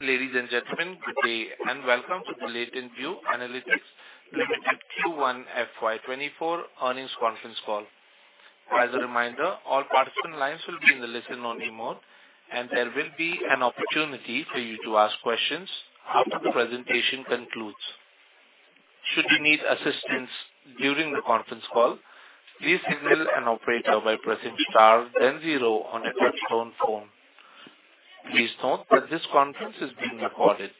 Ladies and gentlemen, good day, and welcome to the Latent View Analytics Limited Q1 FY 2024 earnings conference call. As a reminder, all participant lines will be in the listen-only mode, and there will be an opportunity for you to ask questions after the presentation concludes. Should you need assistance during the conference call, please signal an operator by pressing star then zero on your touchtone phone. Please note that this conference is being recorded.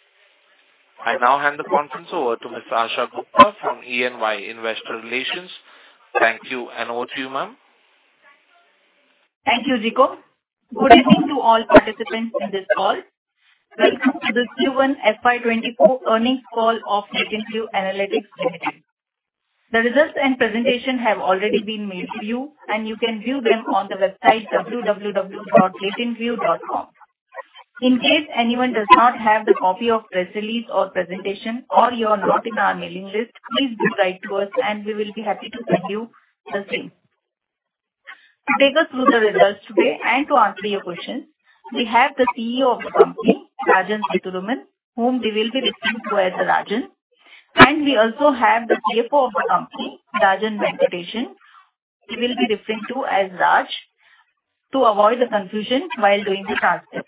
I now hand the conference over to Ms. Asha Gupta from EY Investor Relations. Thank you. Over to you, ma'am. Thank you, Zico. Good evening to all participants in this call. Welcome to the Q1 FY 2024 earnings call of Latent View Analytics Limited. The results and presentation have already been made to you. You can view them on the website www.latentview.com. In case anyone does not have the copy of press release or presentation, or you are not in our mailing list, please do write to us. We will be happy to send you the same. To take us through the results today and to answer your questions, we have the CEO of the company, Rajan Sethuraman, whom we will be referring to as Rajan. We also have the CFO of the company, Rajan Venkatesan, we will be referring to as Raj, to avoid the confusion while doing the transcript.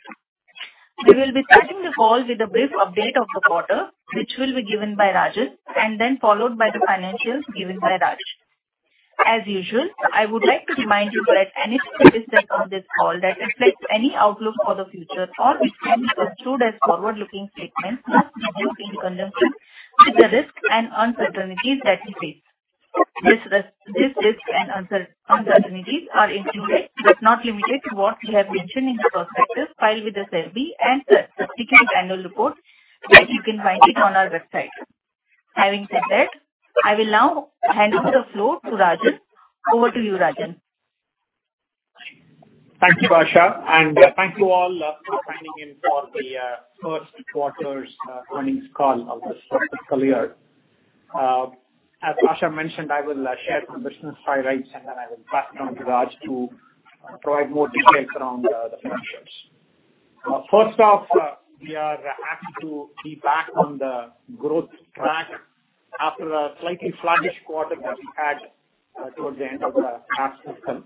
We will be starting the call with a brief update of the quarter, which will be given by Rajan, then followed by the financials given by Raj. As usual, I would like to remind you that any statement on this call that reflects any outlook for the future or which can be construed as forward-looking statements must be viewed in conjunction with the risks and uncertainties that we face. These risks and uncertainties are included, but not limited to, what we have mentioned in the prospectus filed with the SEBI and the subsequent annual report, that you can find it on our website. Having said that, I will now hand over the floor to Rajan. Over to you, Rajan. Thank you, Asha, and thank you all for joining in for the first quarter's earnings call of this fiscal year. As Asha mentioned, I will share some business highlights, and then I will pass it on to Raj to provide more details around the financials. First off, we are happy to be back on the growth track after a slightly sluggish quarter that we had towards the end of the last fiscal.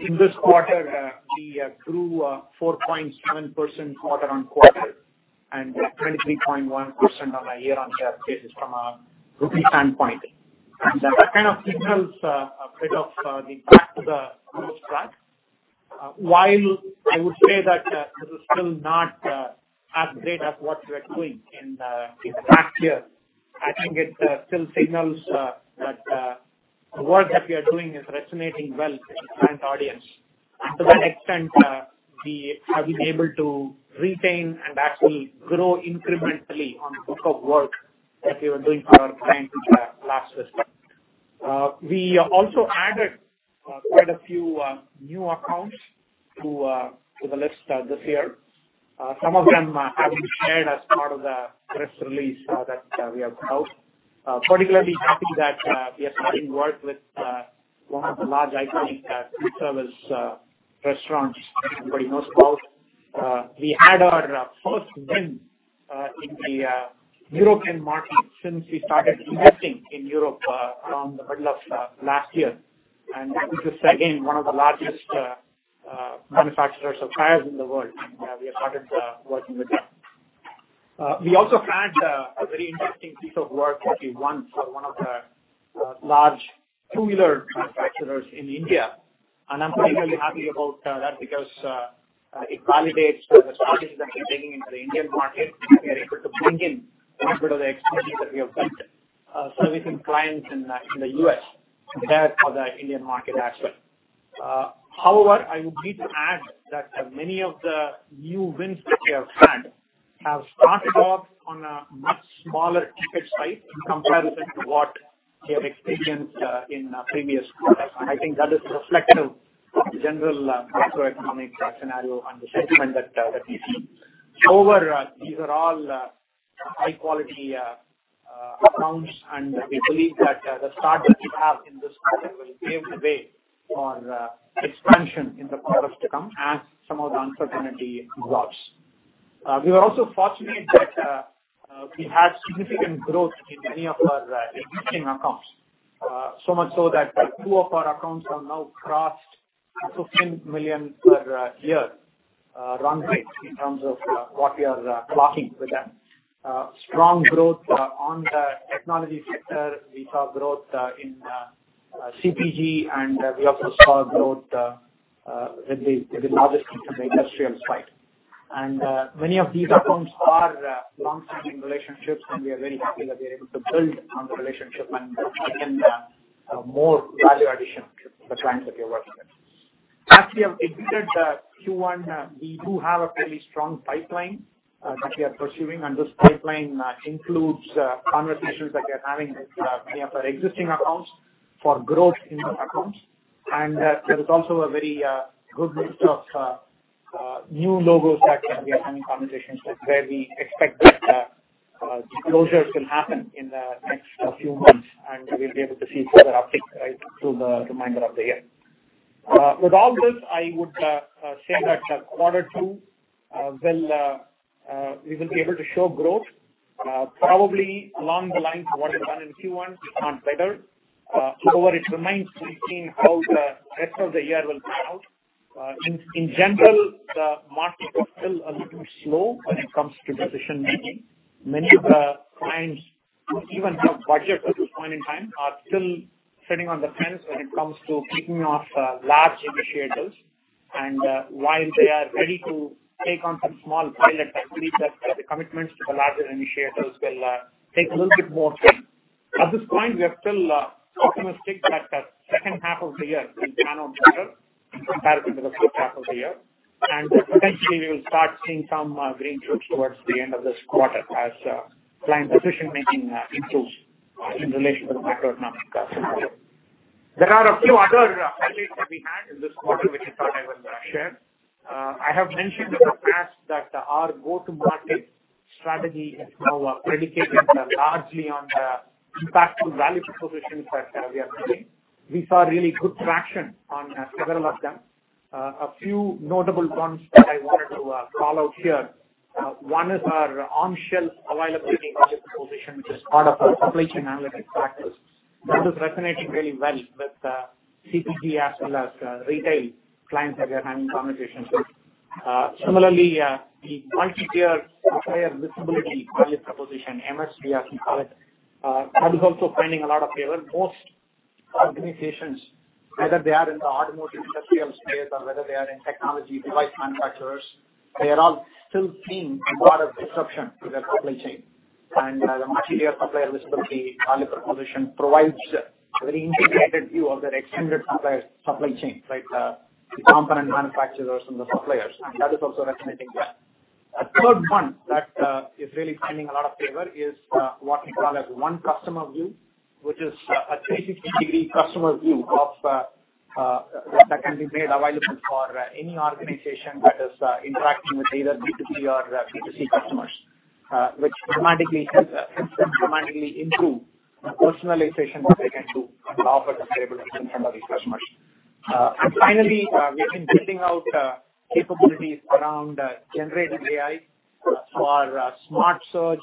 In this quarter, we grew 4.7% quarter-on-quarter and 23.1% on a year-on-year basis from a rupee standpoint. That kind of signals a bit of the back to the growth track. While I would say that this is still not as great as what we were doing in the last year, I think it still signals that the work that we are doing is resonating well with the client audience. To that extent, we have been able to retain and actually grow incrementally on book of work that we were doing for our clients in the last fiscal. We also added quite a few new accounts to the list this year. Some of them have been shared as part of the press release that we have put out. Particularly happy that we are starting work with one of the large iconic food service restaurants everybody knows about. We had our first win in the European market since we started investing in Europe around the middle of last year. This is the second, one of the largest manufacturers of tires in the world, we have started working with them. We also had a very interesting piece of work that we won for one of the large two-wheeler manufacturers in India, and I'm particularly happy about that because it validates the strategies that we're taking into the Indian market. We are able to bring in a bit of the expertise that we have built servicing clients in the US there for the Indian market as well. However, I would need to add that many of the new wins that we have had have started off on a much smaller ticket size in comparison to what we have experienced in previous quarters. I think that is reflective of the general macroeconomic scenario and the sentiment that we see. However, these are all high quality accounts, and we believe that the start that we have in this quarter will pave the way for expansion in the quarters to come as some of the uncertainty drops. We were also fortunate that we had significant growth in many of our existing accounts. So much so that two of our accounts have now crossed $15 million per year run rate in terms of what we are clocking with them. Strong growth on the technology sector. We saw growth in CPG, and we also saw growth with the largest of the industrial side. Many of these accounts are long-standing relationships, and we are very happy that we are able to build on the relationship and bring in more value addition to the clients that we are working with. As we have entered the Q1, we do have a fairly strong pipeline that we are pursuing, and this pipeline includes conversations that we are having with many of our existing accounts for growth in the accounts. There is also a very good mix of new logos that we are having conversations with, where we expect that closures will happen in the next few months, and we'll be able to see further updates right through the remainder of the year. With all this, I would say that quarter two we will be able to show growth, probably along the lines of what we've done in Q1, if not better. However, it remains to be seen how the rest of the year will play out. In general, the market is still a little slow when it comes to decision-making. Many of the clients who even have budget at this point in time, are still sitting on the fence when it comes to kicking off large initiatives. While they are ready to take on some small pilot activities, but the commitments to the larger initiatives will take a little bit more time. At this point, we are still optimistic that the second half of the year will pan out better compared to the first half of the year. Potentially, we'll start seeing some green shoots towards the end of this quarter as client decision-making improves in relation to the macroeconomic scenario. There are a few other highlights that we had in this quarter, which I thought I would share. I have mentioned in the past that our go-to-market strategy is now dedicated largely on the impactful value propositions that we are seeing. We saw really good traction on several of them. A few notable ones that I wanted to call out here. One is our on-shelf availability value proposition, which is part of our supply chain analytics practice. That is resonating really well with CPG as well as retail clients that we are having conversations with. Similarly, the multi-tier supplier visibility value proposition, MSV, as we call it, is also finding a lot of favor. Most organizations, whether they are in the automotive industrial space or whether they are in technology device manufacturers, they are all still seeing a lot of disruption to their supply chain. The multi-tier supplier visibility value proposition provides a very integrated view of their extended supply chain, like the component manufacturers and the suppliers, and that is also resonating well. A third one that is really finding a lot of favor is what we call as One Customer View, which is a 360-degree customer view that can be made available for any organization that is interacting with either B2B or B2C customers. Which dramatically improve the personalization that they can do and offer the stability in front of these customers. Finally, we've been building out capabilities around generative AI for smart search,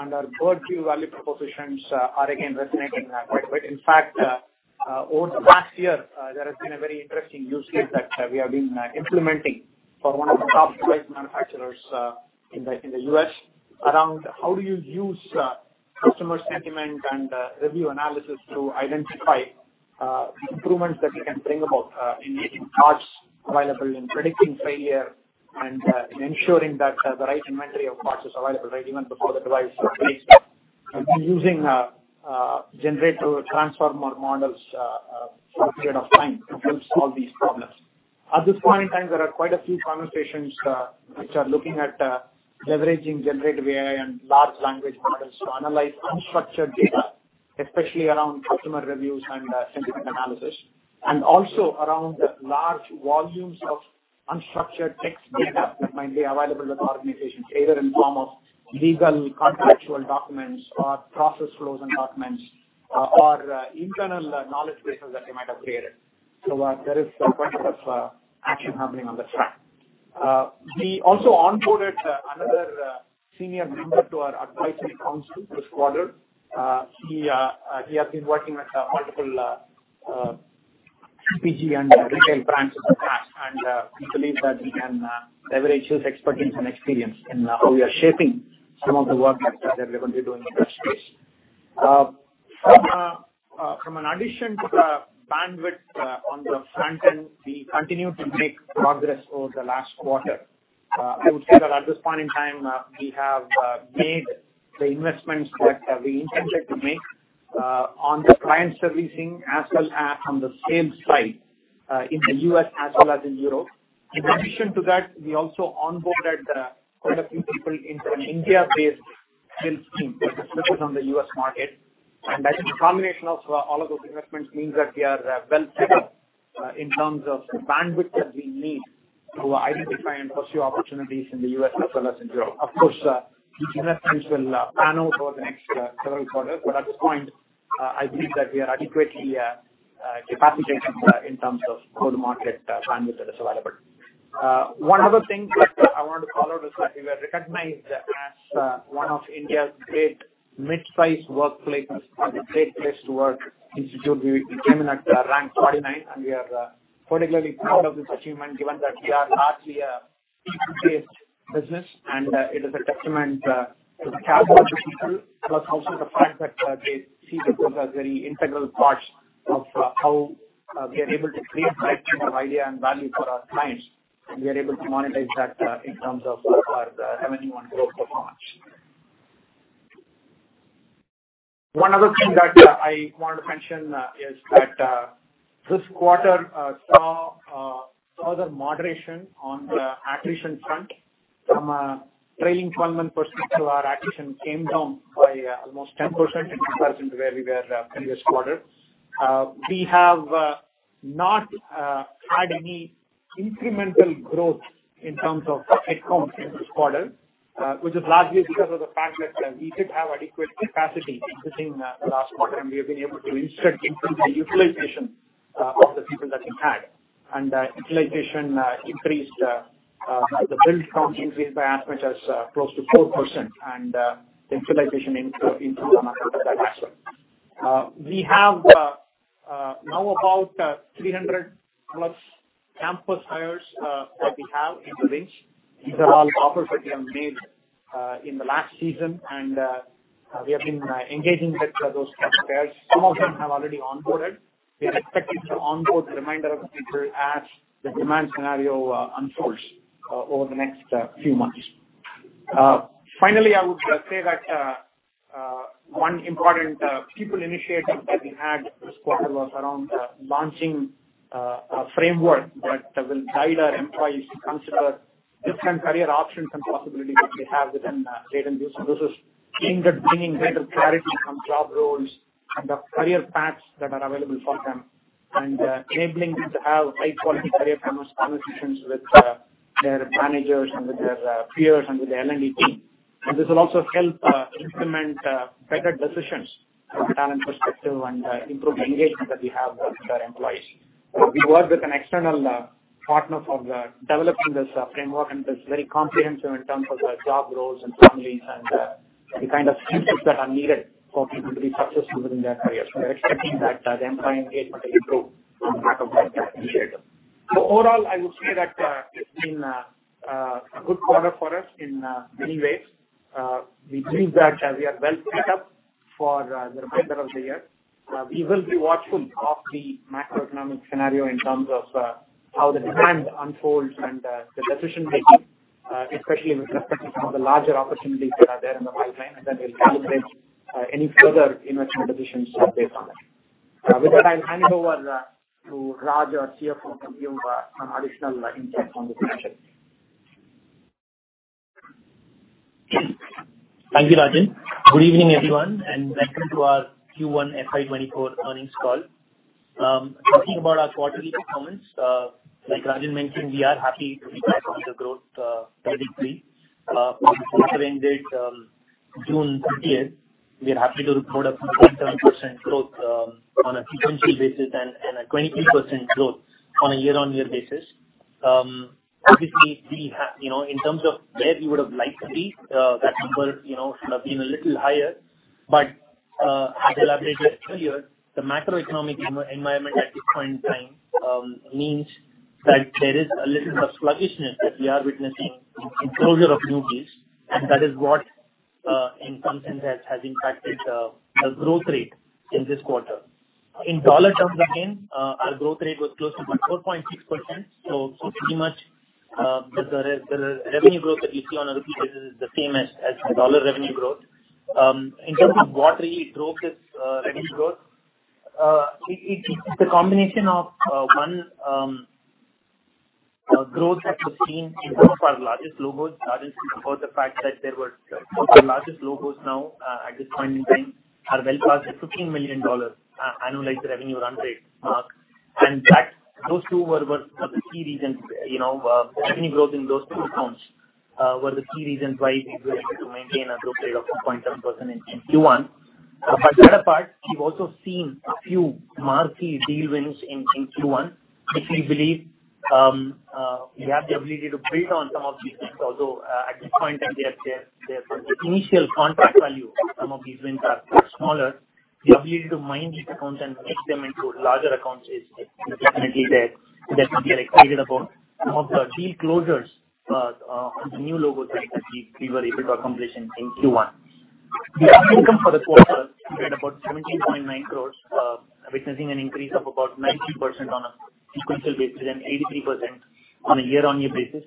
and our bird view value propositions are again resonating quite well. In fact, over the last year, there has been a very interesting use case that we have been implementing for one of the top device manufacturers in the U.S., around how do you use customer sentiment and review analysis to identify improvements that we can bring about in making parts available, in predicting failure, and in ensuring that the right inventory of parts is available, right, even before the device is released. We're using Generative Transformer models for a period of time to help solve these problems. At this point in time, there are quite a few conversations, which are looking at leveraging generative AI and large language models to analyze unstructured data, especially around customer reviews and sentiment analysis, and also around large volumes of unstructured text data that might be available with organizations, either in form of legal contractual documents, or process flows and documents, or internal knowledge bases that they might have created. There is quite a bit of action happening on that front. We also onboarded another senior member to our advisory council this quarter. Uh, he, uh, uh, he has been working with, uh, multiple, uh, uh, CPG and retail brands in the past, and, uh, we believe that we can, uh, leverage his expertise and experience in, uh, how we are shaping some of the work that, uh, we're going to be doing in this space. Uh, uh, from an addition to the bandwidth, uh, on the front end, we continued to make progress over the last quarter. Uh, I would say that at this point in time, uh, we have, uh, made the investments that, uh, we intended to make, uh, on the client servicing as well as on the sales side, uh, in the US as well as in Europe. In addition to that, we also onboarded, uh, quite a few people into an India-based sales team to focus on the US market. I think the combination of all of those investments means that we are well set up in terms of the bandwidth that we need to identify and pursue opportunities in the U.S. as well as in Europe. Of course, these investments will pan out over the next several quarters, but at this point, I think that we are adequately capacitated in terms of go-to-market bandwidth that is available. One other thing that I wanted to call out is that we were recognized as one of India's great midsize workplace, or the Great Place to Work Institute. We came in at rank 39, and we are particularly proud of this achievement, given that we are largely a B2B business, and it is a testament to the caliber of the people, plus also the fact that they see themselves as very integral parts of how we are able to create impact and of idea and value for our clients, and we are able to monetize that in terms of our revenue and growth so far. One other thing that I wanted to mention is that this quarter saw further moderation on the attrition front. From a trailing 12-month perspective, our attrition came down by almost 10% in comparison to where we were previous quarter. We have not had any incremental growth in terms of head count in this quarter. Which is largely because of the fact that we did have adequate capacity within the last quarter, and we have been able to increase the utilization of the people that we had. That utilization increased, the build count increased by as much as close to 4%, and the utilization improved in terms of that as well. We have now about 300+ campus hires that we have in the range. These are all offers that we have made in the last season, and we have been engaging with those campus hires. Some of them have already onboarded. We are expecting to onboard the remainder of the people as the demand scenario unfolds over the next few months. Finally, I would say that one important people initiative that we had this quarter was around launching a framework that will guide our employees to consider different career options and possibilities that they have within Data and Business Services. Aimed at bringing greater clarity on job roles and the career paths that are available for them, and enabling them to have high-quality career conversations with their managers and with their peers and with the L&D team. This will also help implement better decisions from a talent perspective and improve the engagement that we have with our employees. We work with an external partner for the developing this framework, and it's very comprehensive in terms of the job roles and families, and the kind of skills that are needed for people to be successful within their careers. We are expecting that the employee engagement will improve as part of this initiative. Overall, I would say that it's been a good quarter for us in many ways. We believe that we are well set up for the remainder of the year. We will be watchful of the macroeconomic scenario in terms of how the demand unfolds and the decision-making, especially with respect to some of the larger opportunities that are there in the pipeline, and then we'll calibrate any further investment decisions based on that. With that, I'll hand over to Raj, our CFO, to give some additional insights on the question. Thank you, Rajan. Good evening, everyone, Welcome to our Q1 FY 2024 earnings call. Talking about our quarterly performance, like Rajan mentioned, we are happy with the quarter growth trajectory. Quarter ended June 30th, we are happy to report a 0.7% growth on a sequential basis and a 22% growth on a year-on-year basis. Obviously, we have, you know, in terms of where we would have liked to be, that number, you know, should have been a little higher. As elaborated earlier, the macroeconomic environment at this point in time, means that there is a little bit of sluggishness that we are witnessing in closure of new deals, and that is what, in some sense, has impacted the growth rate in this quarter. In dollar terms, again, our growth rate was close to about 4.6%. Pretty much, the revenue growth that you see on a repeat basis is the same as the dollar revenue growth. In terms of what really drove this revenue growth, it's the combination of one, growth that was seen in terms of our largest logos. That is for the fact that there were 4 largest logos now, at this point in time, are well past the $15 million annualized revenue run rate. Those two were the key reasons, you know, revenue growth in those two accounts were the key reasons why we were able to maintain a growth rate of 0.7% in Q1. Other part, we've also seen a few marquee deal wins in Q1, which we believe, we have the ability to build on some of these wins. Although, at this point in time, their initial contract value, some of these wins are smaller. The ability to mine these accounts and make them into larger accounts is definitely there, that we are excited about some of the deal closures, on the new logos that we were able to accomplish in Q1. The income for the quarter at about 17.9 crore, witnessing an increase of about 90% on a sequential basis, and 83% on a year-on-year basis.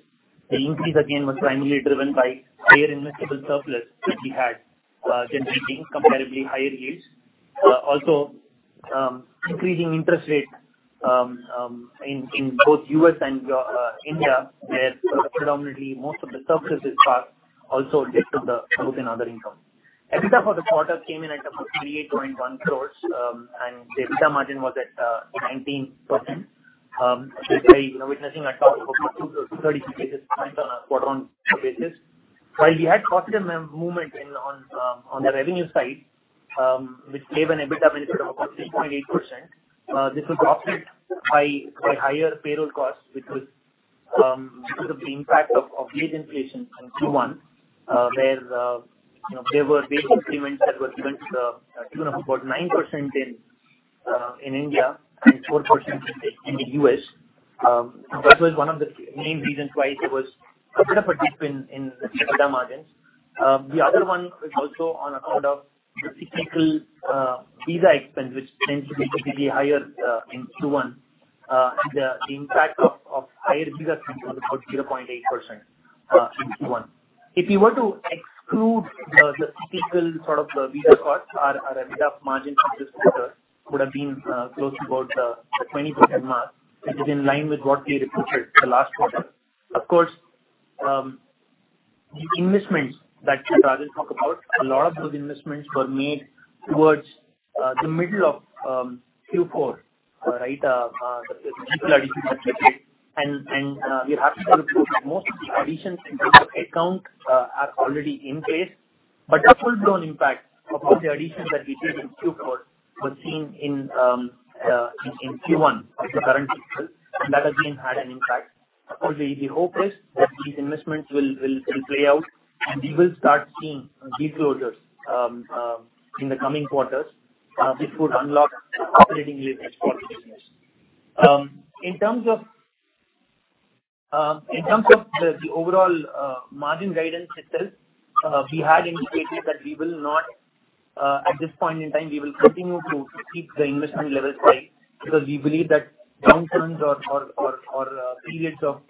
The increase again, was primarily driven by higher investable surplus, which we had, generating comparably higher yields. Also, increasing interest rates in both U.S. and India, where predominantly most of the surfaces part also led to the book in other income. EBITDA for the quarter came in at about 38.1 crore, and the EBITDA margin was at 19%, which is, you know, witnessing a drop of 20-30 basis points on a quarter-over-quarter basis. While we had positive movement in, on the revenue side, which gave an EBITDA benefit of about 3.8%, this was offset by higher payroll costs, which was because of the impact of wage inflation in Q1, where, you know, there were wage increments that were given to the tune of about 9% in India and 4% in the U.S. That was one of the key main reasons why there was a bit of a dip in EBITDA margins. The other one was also on account of the cyclical visa expense, which tends to be typically higher in Q1. The impact of higher visa expense was about 0.8% in Q1. If you were to exclude the cyclical sort of the visa costs, our EBITDA margin for this quarter would have been close to about the 20% mark, which is in line with what we reported the last quarter. Of course, the investments that Rajan talked about, a lot of those investments were made the middle of Q4, right? We have to look most of the additions in terms of headcount, are already in place. The full-blown impact of all the additions that we did in Q4 was seen in Q1 of the current fiscal. That again, had an impact. Of course, the hope is that these investments will play out, and we will start seeing deal closures, in the coming quarters, which would unlock operating leverage for the business. In terms of, in terms of the overall margin guidance itself, we had indicated that we will not, at this point in time, we will continue to keep the investment levels high, because we believe that downturns or periods of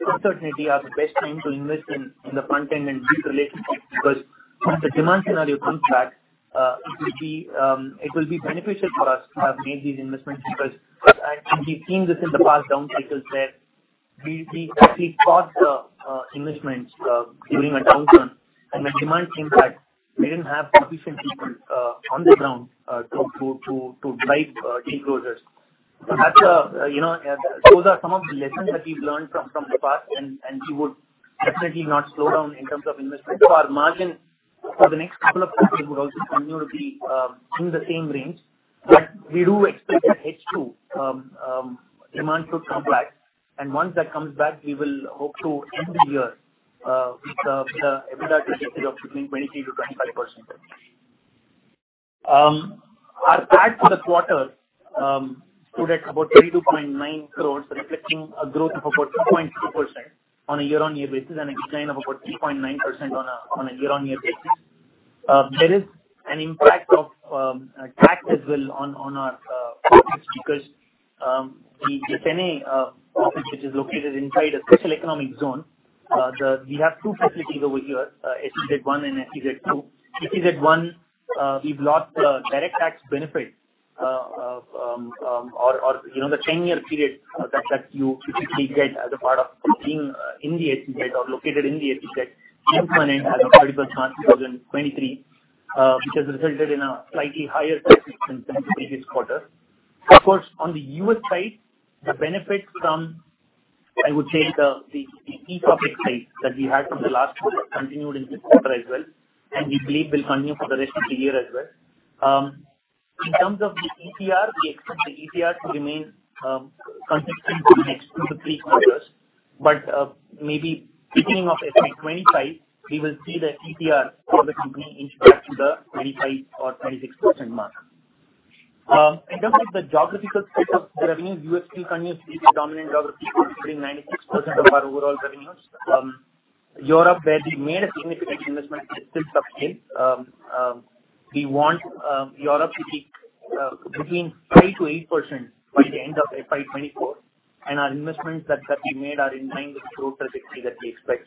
uncertainty are the best time to invest in the front end and build relationships. Once the demand scenario comes back, it will be beneficial for us to have made these investments, because, and we've seen this in the past down cycles, that we paused investments during a downturn, and when demand came back, we didn't have sufficient people on the ground to drive deal closures. That's, you know, those are some of the lessons that we've learned from the past, and we would definitely not slow down in terms of investments. Our margin for the next couple of quarters would also continue to be in the same range. We do expect that H2 demand to come back, and once that comes back, we will hope to end the year with a EBITDA trajectory of between 23%-25%. Our tax for the quarter stood at about 32.9 crore, reflecting a growth of about 2.2% on a year-on-year basis, and a decline of about 3.9% on a year-on-year basis. There is an impact of tax as well on our, because the if any office which is located inside a Special Economic Zone, we have two facilities over here, SEZ 1 and SEZ 2. SEZ 1, we've lost the direct tax benefit of or, you know, the 10-year period that you typically get as a part of being in the SEZ or located in the SEZ, which ended as of July 1st, 2023, which has resulted in a slightly higher tax than the previous quarter. Of course, on the U.S. side, the benefits from, I would say, the e-commerce side that we had from the last quarter continued in this quarter as well, and we believe will continue for the rest of the year as well. In terms of the ETR, we expect the ETR to remain consistent for the next 2-3 quarters. Maybe beginning of FY 2025, we will see the ETR of the company inch back to the 25% or 26% mark. In terms of the geographical split of the revenue, U.S. continues to be the dominant geography, including 96% of our overall revenues. Europe, where we made a significant investment, is still sub-scale. We want Europe to be between 5%-8% by the end of FY 2024, our investments that we made are in line with the growth trajectory that we expect.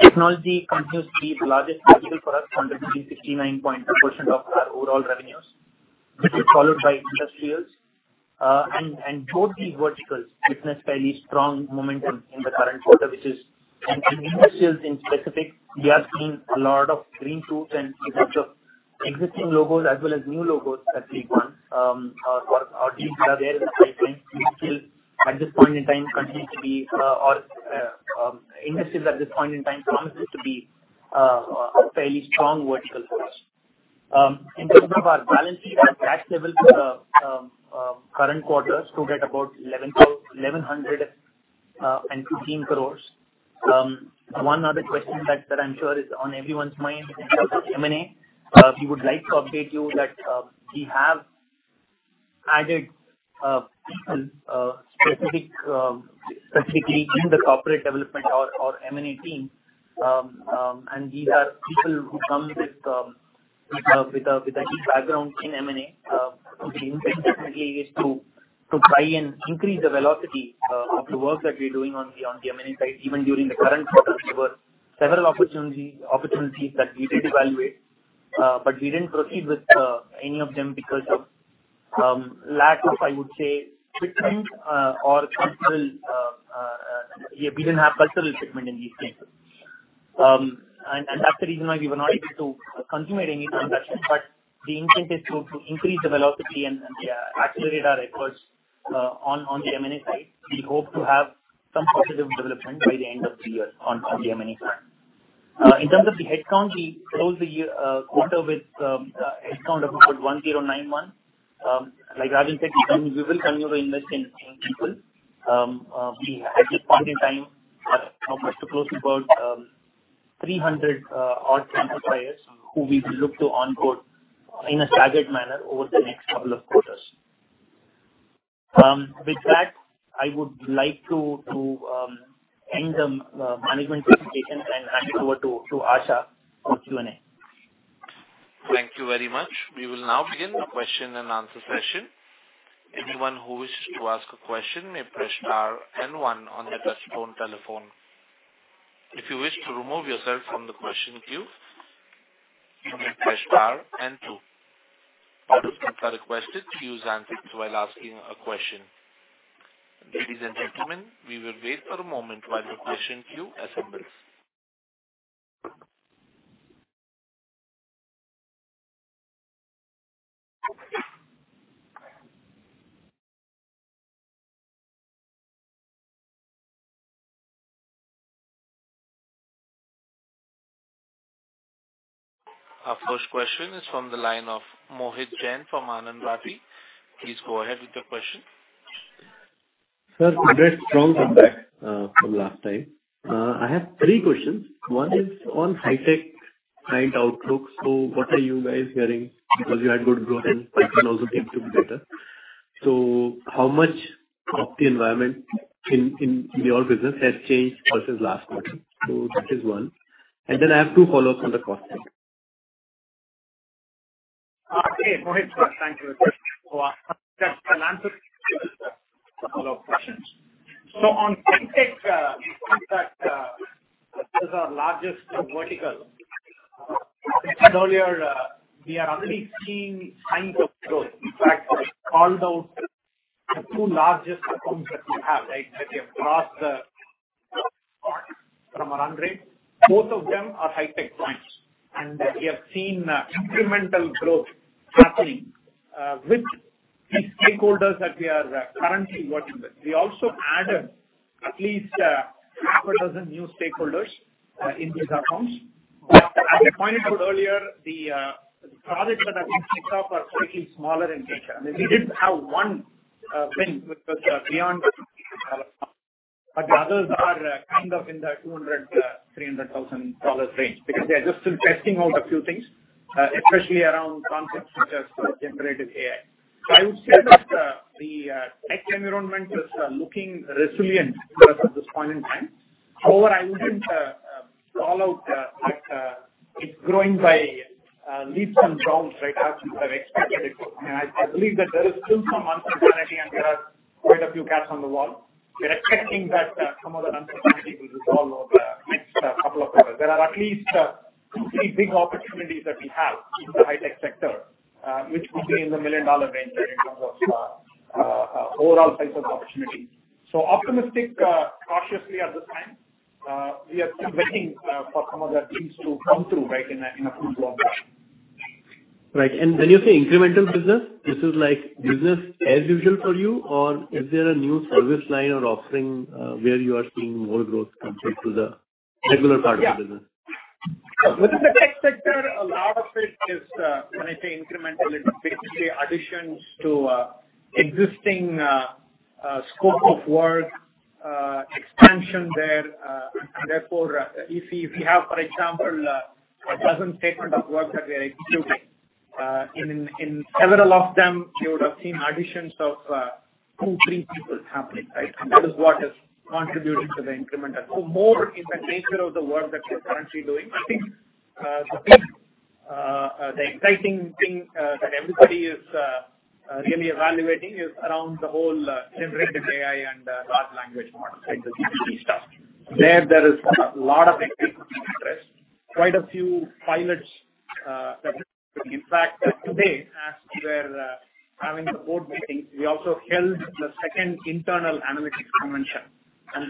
Technology continues to be the largest vertical for us, contributing 69.2% of our overall revenues, which is followed by industrials. Both these verticals witnessed fairly strong momentum in the current quarter, which is. Industrials in specific, we are seeing a lot of green shoots and in terms of existing logos as well as new logos that we won. Our deals are there in the pipeline. We still, at this point in time, continue to be, or, industrials at this point in time, promises to be a fairly strong vertical for us. In terms of our balance sheet, our cash levels for the current quarter stood at about 1,115 crore. One other question that I'm sure is on everyone's mind in terms of M&A. We would like to update you that we have added people, specific, specifically in the corporate development or M&A team. These are people who come with a deep background in M&A. The intent definitely is to try and increase the velocity of the work that we're doing on the M&A side. Even during the current quarter, there were several opportunities that we did evaluate, but we didn't proceed with any of them because of lack of, I would say, fitment, or cultural. Yeah, we didn't have cultural fitment in these cases. That's the reason why we were not able to consummate any transactions. The intent is to increase the velocity and accelerate our efforts on the M&A side. We hope to have some positive development by the end of the year on the M&A front. In terms of the headcount, we closed the year quarter with headcount of about 1,091. Like Rajan said, we will continue to invest in people. We at this point in time, have close to about 300 odd campus hires who we look to onboard in a staggered manner over the next couple of quarters. With that, I would like to end the management presentation and hand it over to Asha for Q&A. Thank you very much. We will now begin the question-and-answer session. Anyone who wishes to ask a question may press star 1 on your touchtone telephone. If you wish to remove yourself from the question queue, you may press star 2. All participants are requested to use answers while asking a question. Ladies and gentlemen, we will wait for a moment while the question queue assembles. Our first question is from the line of Mohit Jain from Anand Rathi. Please go ahead with your question. Sir, great strong comeback, from last time. I have three questions. One is on high-tech client outlook. What are you guys hearing? Because you had good growth and also seem to be better. How much of the environment in, in your business has changed versus last quarter? That is one. I have two follow-ups on the cost side. Hey, Mohit. Thank you. That's an answer to follow-up questions. On high-tech, that is our largest vertical. As I said earlier, we are already seeing signs of growth. In fact, I called out the 2 largest accounts that we have, right? That have crossed the from our run rate. Both of them are high-tech clients, and we have seen incremental growth happening with these stakeholders that we are currently working with. We also added at least half a dozen new stakeholders in these accounts. As I pointed out earlier, the projects that have been kicked off are slightly smaller in nature. I mean, we didn't have one thing with beyond the $50 million, but the others are kind of in the $200,000-$300,000 range because they are just still testing out a few things, especially around concepts such as generative AI. I would say that the tech environment is looking resilient for us at this point in time. However, I wouldn't call out that it's growing by leaps and bounds, right, as we have expected it to. I mean, I believe that there is still some uncertainty, and there are quite a few cats on the wall. We're expecting that some of the uncertainty will resolve over the next couple of quarters. There are at least, two, three big opportunities that we have in the high-tech sector, which will be in the million-dollar range in terms of, overall types of opportunities. Optimistic, cautiously at this time. We are still waiting, for some other things to come through, right, in a, in a few quarters. Right. When you say incremental business, this is like business as usual for you, or is there a new service line or offering, where you are seeing more growth compared to the regular part of the business? Yeah. Within the tech sector, a lot of it is, when I say incremental, it's basically additions to existing scope of work, expansion there. Therefore, if you, if you have, for example, 12 statement of work that we are executing, in several of them, you would have seen additions of two, three people happening, right. That is what is contributing to the incremental. More in the nature of the work that we're currently doing. I think, the big, the exciting thing, that everybody is really evaluating is around the whole generative AI and large language models, like the GPT stuff. There is a lot of interest, quite a few pilots, that... In fact, today, as we were having the board meeting, we also held the second internal analytics convention.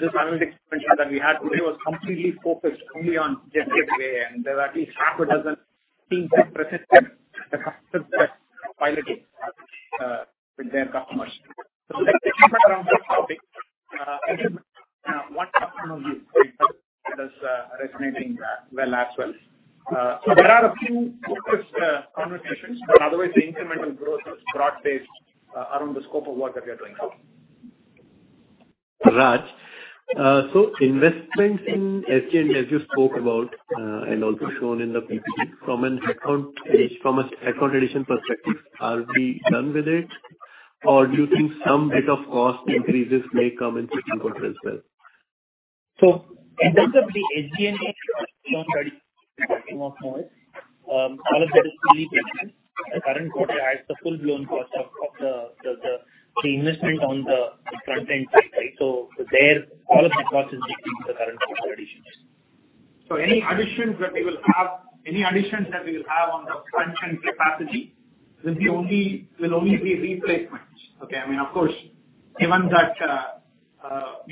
This analytics convention that we had today was completely focused only on generative AI, and there are at least half a dozen teams that presented the pilots with their customers. Around that topic, One Customer View that is resonating well as well. There are a few focus conversations, but otherwise the incremental growth is broad-based around the scope of work that we are doing. Raj, investments in SG&A, as you spoke about, and also shown in the PPT from an account page, from an account addition perspective, are we done with it, or do you think some bit of cost increases may come into control as well? In terms of the SG&A study, all of that is the current quarter as the full-blown cost of the investment on the content side, right? There all of the cost is the current quarter additions. Any additions that we will have on the front-end capacity will only be replacements. Okay. I mean, of course, given that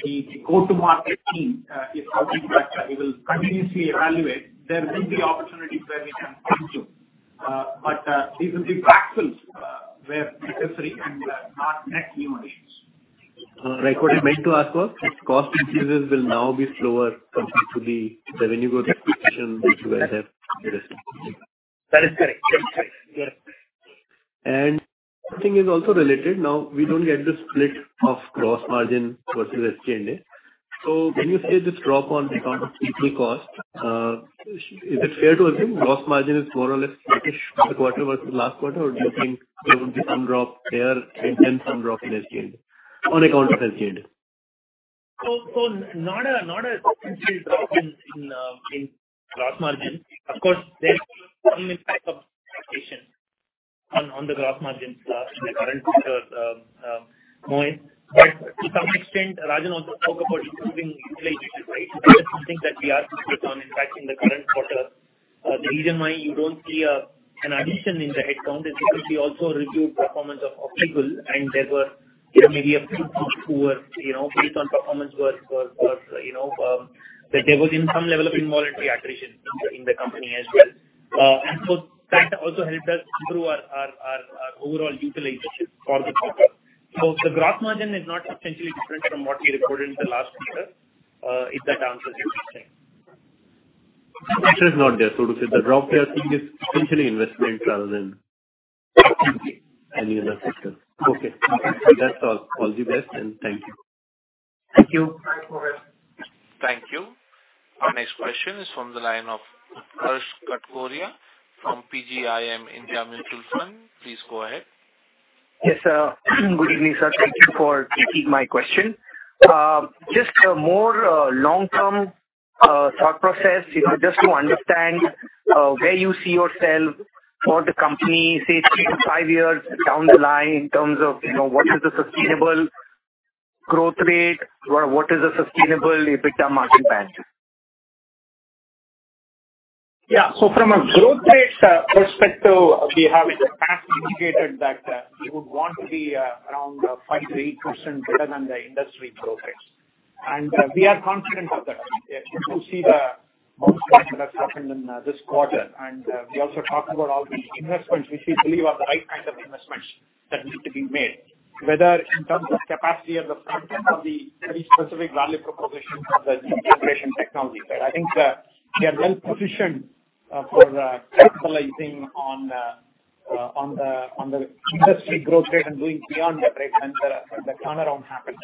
the go-to-market team is working, that we will continuously evaluate, there will be opportunities where we can come to. These will be backfills where necessary and not net new additions. Like what I meant to ask was, cost increases will now be slower compared to the revenue growth expansion, which you guys have invested. That is correct. That's correct. Yes. Second thing is also related. Now, we don't get the split of gross margin versus SG&A. When you say this drop on account of people cost, is it fair to assume gross margin is more or less flattish quarter versus last quarter? Do you think there would be some drop there and then some drop in SG&A, on account of SG&A? Not a drop in gross margin. Of course, there will be some impact of inflation on the gross margins in the current quarter, Mohit, but to some extent, Rajan also talked about improving utilization, right? That is something that we are focused on, in fact, in the current quarter. The reason why you don't see an addition in the headcount is because we also reviewed performance of optical, and there were- You know, maybe a few people who were, you know, based on performance was, you know, that there was some level of involuntary attrition in the company as well. That also helped us improve our overall utilization for the quarter. The gross margin is not substantially different from what we recorded in the last quarter, if that answers your question. Pressure is not there. To say the drop here, I think, is essentially investment rather than any other factor. Okay. That's all. All the best, and thank you. Thank you. Thank you. Our next question is from the line of Harsh Kataria from PGIM India Mutual Fund. Please go ahead. Yes, sir. Good evening, sir. Thank you for taking my question. Just a more long-term thought process, you know, just to understand where you see yourself for the company, say, 3-5 years down the line, in terms of, you know, what is the sustainable growth rate? What is the sustainable EBITDA margin band? Yeah. From a growth rate perspective, we have in the past indicated that we would want to be around 5% to 8% better than the industry growth rates. We are confident of that. You see the outspending that's happened in this quarter. We also talked about all the investments which we believe are the right kind of investments that need to be made, whether in terms of capacity or the front end of the very specific value proposition of the integration technology. I think we are well-positioned for capitalizing on the industry growth rate and going beyond that, right, when the turnaround happens.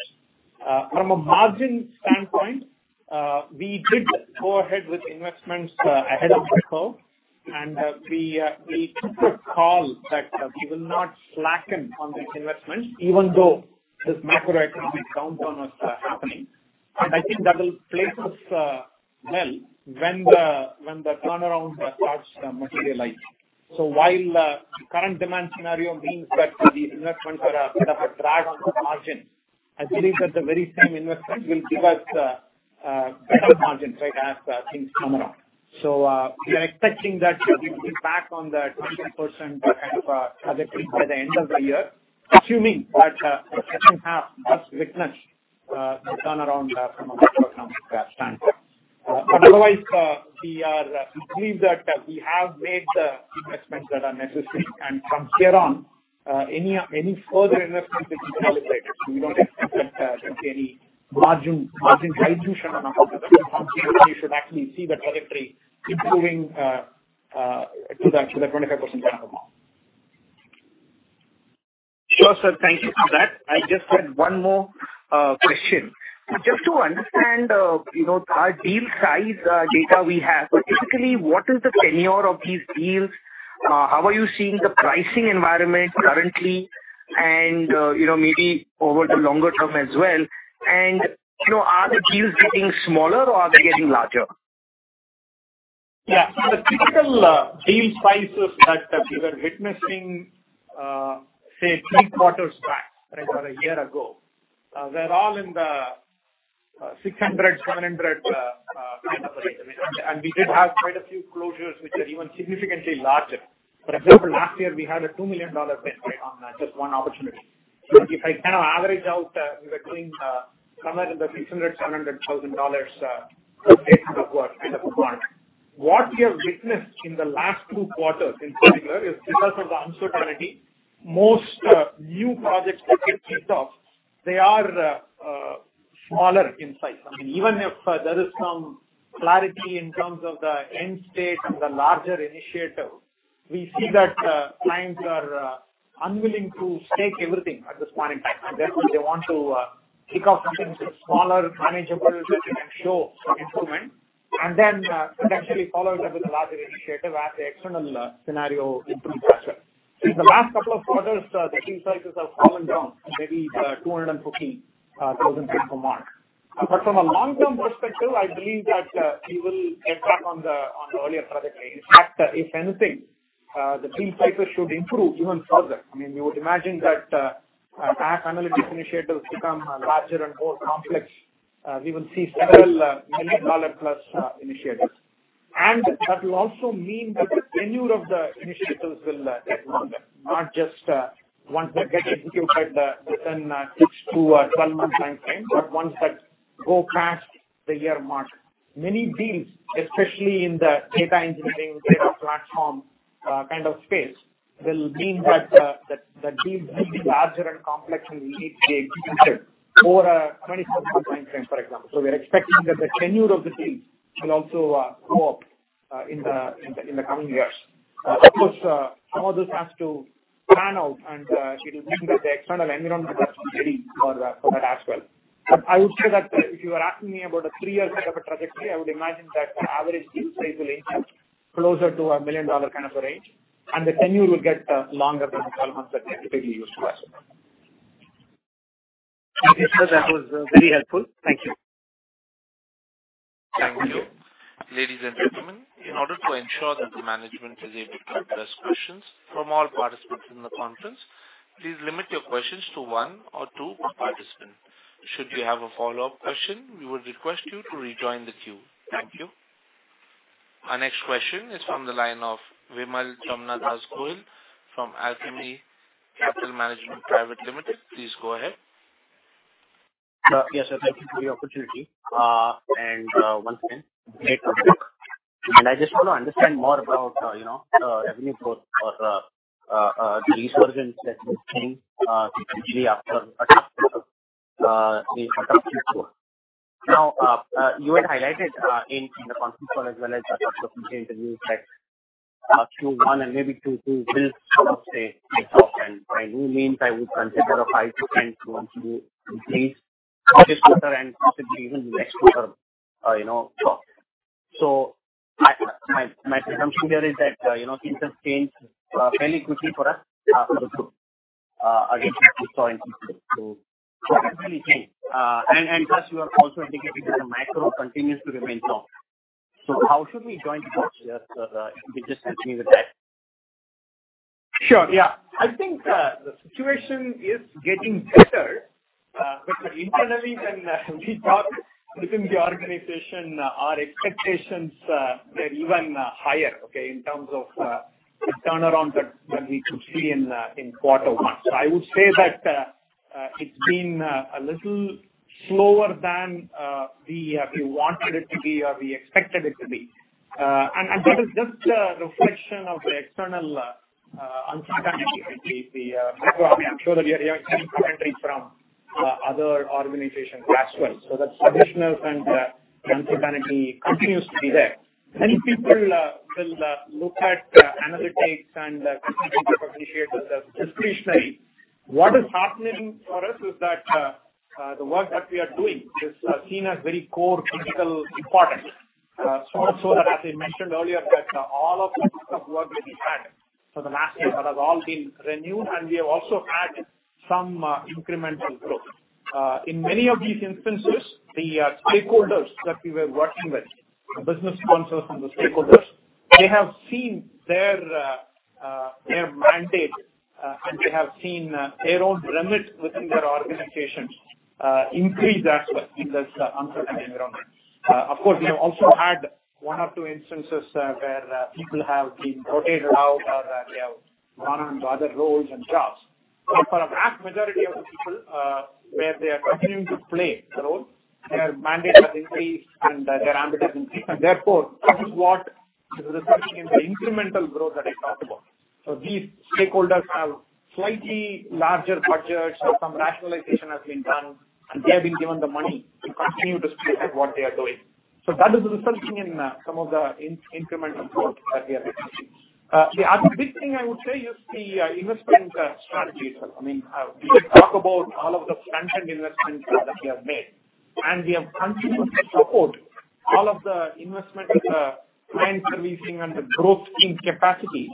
From a margin standpoint, we did go ahead with investments ahead of the curve. We took a call that we will not slacken on these investments, even though this macroeconomic downturn was happening. I think that will place us well, when the turnaround starts to materialize. While the current demand scenario means that these investments are a bit of a drag on the margin, I believe that the very same investment will give us better margins, right, as things come around. We are expecting that we will be back on the 20% kind of trajectory by the end of the year, assuming that second half does witness the turnaround from a macroeconomic standpoint. Otherwise, we believe that we have made the investments that are necessary, and from here on, any further investments will be calibrated. We don't expect that there'll be any margin dilution on our part. We should actually see the trajectory improving to the 25% mark. Sure, sir. Thank you for that. I just had one more question. Just to understand, you know, our deal size, data we have. Typically, what is the tenure of these deals? How are you seeing the pricing environment currently? You know, maybe over the longer term as well, and, you know, are the deals getting smaller or are they getting larger? Yeah. The typical deal sizes that we were witnessing, say, three quarters back, right, or a year ago, they're all in the $600,000-$700,000 kind of a range. We did have quite a few closures which are even significantly larger. For example, last year we had a $2 million bid, right, on just one opportunity. If I kind of average out the deal, somewhere in the $600,000-$700,000 per case of work kind of requirement. What we have witnessed in the last two quarters in particular is because of the uncertainty, most new projects that get kicked off, they are smaller in size. I mean, even if there is some clarity in terms of the end state and the larger initiative, we see that clients are unwilling to stake everything at this point in time. Therefore, they want to kick off something smaller, manageable, that they can show some improvement, and then potentially follow it up with a larger initiative as the external scenario improves itself. In the last couple of quarters, the deal sizes have fallen down to maybe 250 thousand per month. From a long-term perspective, I believe that we will get back on the earlier trajectory. In fact, if anything, the deal sizes should improve even further. I mean, you would imagine that, as analytics initiatives become larger and more complex, we will see several million dollar plus initiatives. That will also mean that the tenure of the initiatives will get longer, not just ones that get executed within a 6 to 12-month time frame, but ones that go past the year mark. Many deals, especially in the data engineering, data platform kind of space, will mean that the deals are getting larger and complex, and will need to be executed over a 24-month time frame, for example. We're expecting that the tenure of the deals will also go up in the coming years. Of course, some of this has to pan out, and it will mean that the external environment has to be ready for that as well. I would say that, if you are asking me about a three-year type of a trajectory, I would imagine that the average deal size will be closer to a $1 million kind of a range, and the tenure will get longer than the 12 months that we are typically used to asking. Okay, sir, that was very helpful. Thank you. Thank you. Ladies and gentlemen, in order to ensure that the management is able to address questions from all participants in the conference, please limit your questions to 1 or 2 per participant. Should you have a follow-up question, we would request you to rejoin the queue. Thank you. Our next question is from the line of Vimal Goel from Alchemy Capital Management Private Limited. Please go ahead. Yes, sir, thank you for the opportunity. One second. And I just want to understand more about, you know, revenue growth for the resurgence that we are seeing, usually after the fourth quarter. Now, you had highlighted in the conference call as well as the interview that Q1 and maybe Q2 will sort of say, myself, and by new means, I would consider a high to kind to want to do things better and possibly even the next quarter, you know. So my presumption here is that, you know, things have changed fairly quickly for us against this story. So how can we change? And plus, you are also indicating that the micro continues to remain low. So how should we join force here, sir? If you could just help me with that. Sure. Yeah. I think the situation is getting better. Internally, when we talk within the organization, our expectations were even higher, okay, in terms of the turnaround that we could see in quarter one. I would say that it's been a little slower than we wanted it to be or we expected it to be. That is just a reflection of the external uncertainty, the micro. I'm sure that you're hearing commentary from other organizations as well. That additional uncertainty continues to be there. Many people will look at analytics and appreciate the discretion. What is happening for us is that the work that we are doing is seen as very core critical importance. That as I mentioned earlier, that all of the work that we've had for the last year, that has all been renewed, and we have also had some incremental growth. In many of these instances, the stakeholders that we were working with, the business sponsors and the stakeholders, they have seen their mandate, and they have seen their own limits within their organizations increase as well in this uncertain environment. Of course, we have also had one or two instances where people have been rotated out or they have gone on to other roles and jobs. For a vast majority of the people, where they are continuing to play the role, their mandate has increased and their ambit has increased. Therefore, this is what is resulting in the incremental growth that I talked about. These stakeholders have slightly larger budgets, some rationalization has been done, and they have been given the money to continue to stay with what they are doing. That is resulting in some of the incremental growth that we are seeing. The other big thing I would say is the investment strategy. I mean, we talk about all of the front-end investments that we have made, and we have continued to support all of the investment, client servicing and the growth in capacity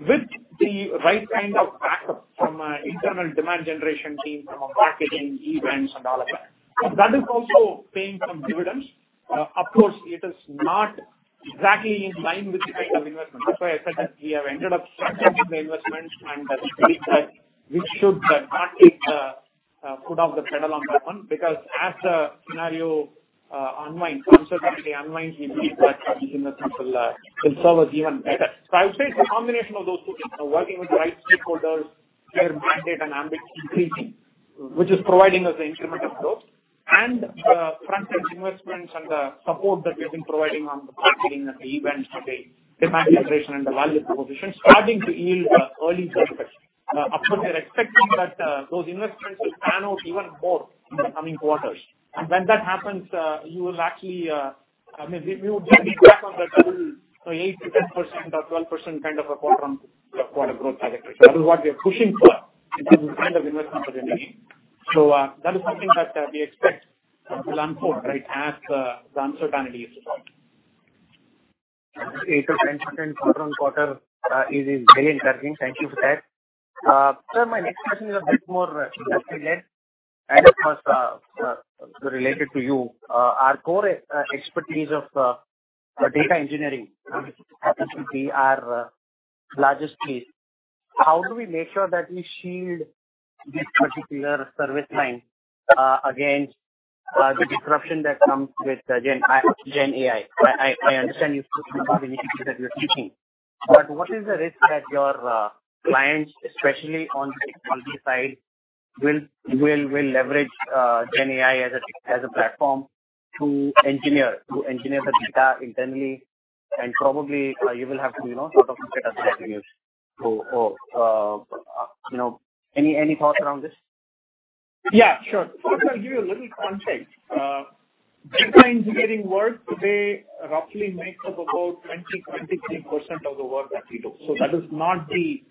with the right kind of backup from internal demand generation team, from our packaging, events, and all of that. That is also paying some dividends. Of course, it is not exactly in line with the kind of investment. That's why I said that we have ended up structuring the investments, and we should not take foot off the pedal on that one, because as the scenario unwinds, uncertainty unwinds, we believe that investment will serve us even better. I would say it's a combination of those two things. Working with the right stakeholders, their mandate and ambit increasing, which is providing us the incremental growth and front-end investments and the support that we have been providing on the packaging, the events, the demand generation, and the value proposition starting to yield early benefits. Of course, we are expecting that those investments will pan out even more in the coming quarters. When that happens, you will actually... I mean, we would be back on that level, so 8%-10% or 12% kind of a quarter-on-quarter growth trajectory. That is what we are pushing for in terms of investment opportunity. That is something that we expect will unfold, right, as the uncertainty is resolved. 8%-10% quarter-on-quarter, it is very encouraging. Thank you for that. Sir, my next question is a bit more specific and of course, related to you. Our core expertise of data engineering happens to be our largest case. How do we make sure that we shield this particular service line against the disruption that comes with Gen AI? I understand you spoke about the initiatives that you're taking, but what is the risk that your clients, especially on the multi-side, will leverage Gen AI as a platform to engineer the data internally, and probably, you will have to, you know, sort of set up strategies for or, you know, any thoughts around this? Yeah, sure. First, I'll give you a little context. data engineering work today roughly makes up about 20-23% of the work that we do. That is not the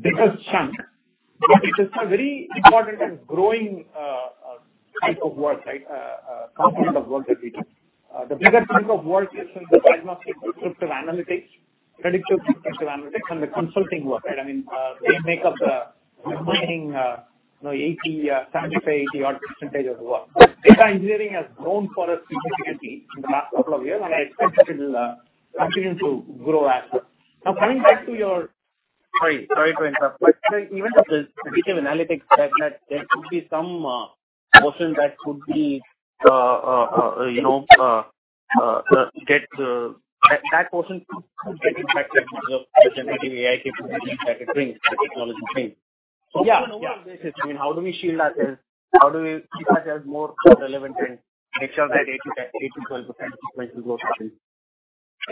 biggest chunk, but it is a very important and growing type of work, right? Component of work that we do. The bigger piece of work is in the diagnostic prescriptive analytics, predictive prescriptive analytics, and the consulting work. I mean, they make up the remaining, you know, 70-80% odd of the work. Data engineering has grown for us significantly in the last couple of years, and I expect it'll continue to grow as well. Sorry to interrupt. Even though the digital analytics that there could be some portion that could be, you know, that portion could get impacted because of the generative AI capabilities that it brings, the technology brings. Yeah. I mean, how do we shield ourselves? How do we keep ourselves more relevant and make sure that 80%-12% growth happens?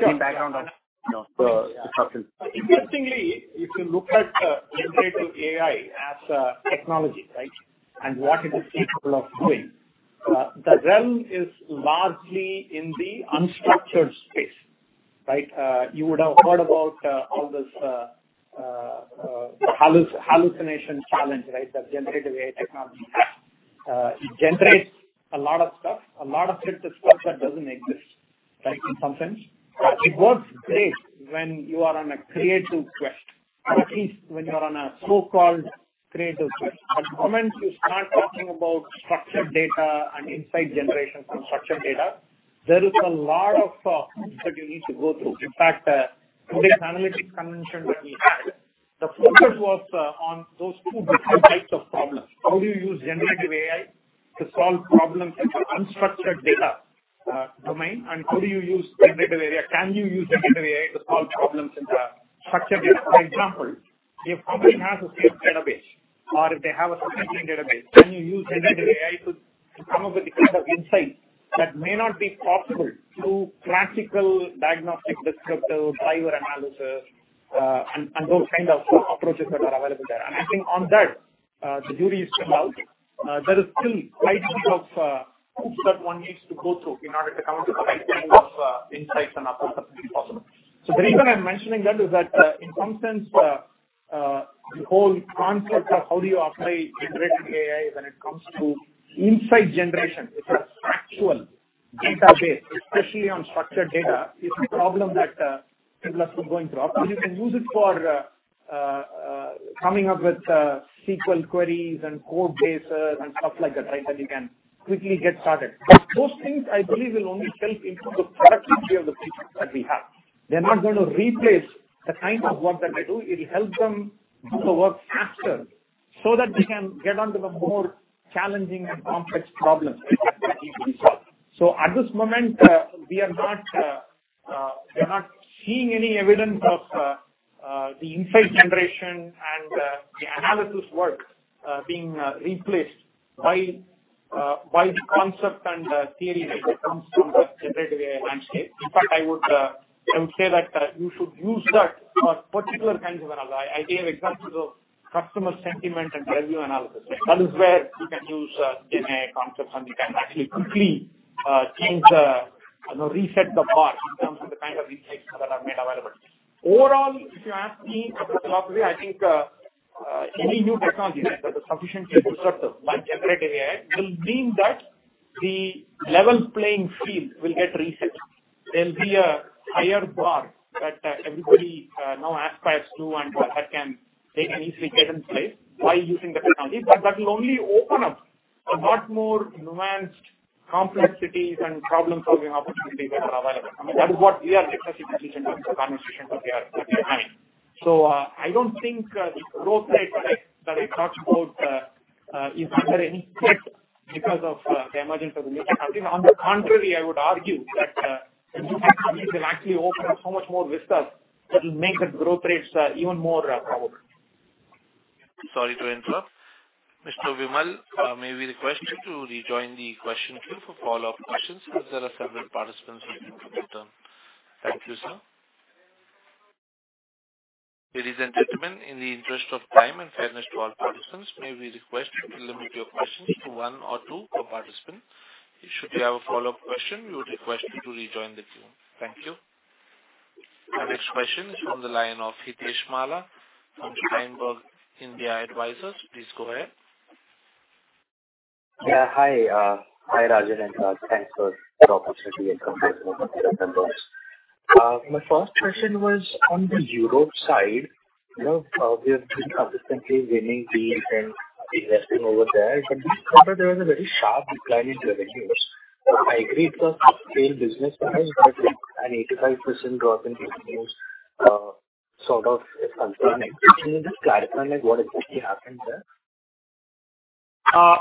Same background of, you know, the discussion. Interestingly, if you look at generative AI as a technology, right? And what it is capable of doing, the realm is largely in the unstructured space, right? You would have heard about all this hallucination challenge, right? That generative AI technology. It generates a lot of stuff, a lot of stuff that doesn't exist, right? In some sense. It works great when you are on a creative quest, at least when you are on a so-called creative quest. The moment you start talking about structured data and insight generation from structured data, there is a lot of thought that you need to go through. In fact, today's analytics convention that we had, the focus was on those two different types of problems. How do you use generative AI to solve problems in the unstructured data, domain? Can you use generative AI to solve problems in the structured data? For example, if company has a sales database or if they have a database, can you use generative AI to come up with the kind of insights that may not be possible through classical diagnostic, descriptive, driver analysis, and those kind of approaches that are available there. I think on that, the jury is still out. There is still quite a bit of hoops that one needs to go through in order to come up with the right kind of insights and approaches possible. The reason I'm mentioning that is that, in some sense, the whole concept of how do you apply generative AI when it comes to insight generation, it's a factual database, especially on structured data, is a problem that people are still going through. You can use it for coming up with SQL queries and code bases and stuff like that, right? You can quickly get started. Those things, I believe, will only help improve the productivity of the people that we have. They're not going to replace the kind of work that they do. It'll help them to work faster so that they can get on to the more challenging and complex problems, right? That need to be solved. At this moment, we are not seeing any evidence of the insight generation and the analysis work being replaced by the concept and theory when it comes to the generative AI landscape. In fact, I would say that you should use that for particular kinds of analysis. I gave examples of customer sentiment and review analysis. That is where you can use gen AI concepts, and you can actually quickly reset the bar in terms of the kind of insights that are made available. Overall, if you ask me, I think any new technology that is sufficiently disruptive, like generative AI, will mean that the level playing field will get reset. There'll be a higher bar that everybody now aspires to and that they can easily get in place by using the technology. That will only open up a lot more nuanced complexities and problem-solving opportunities that are available. I mean, that is what we are discussing in terms of conversations that we are having. I don't think the growth rate, right, that I talked about, is under any threat because of the emergence of the new technology. On the contrary, I would argue that the new technology will actually open up so much more vistas that will make the growth rates even more powerful. Sorry to interrupt. Mr. Vimal, may we request you to rejoin the question queue for follow-up questions, since there are several participants waiting for their turn. Thank you, sir. Ladies and gentlemen, in the interest of time and fairness to all participants, may we request you to limit your questions to one or two per participant. Should you have a follow-up question, we would request you to rejoin the queue. Thank you. Our next question is on the line of Hitesh Gala from Spark Capital Advisors. Please go ahead. Yeah. Hi, hi, Rajan, thanks for the opportunity to get comfortable with the members. My first question was on the Europe side. You know, we have been consistently winning deals and investing over there, but we discovered there was a very sharp decline in revenues. I agree it was a scale business, but an 85% drop in revenues, sort of is concerning. Can you just clarify what exactly happened there?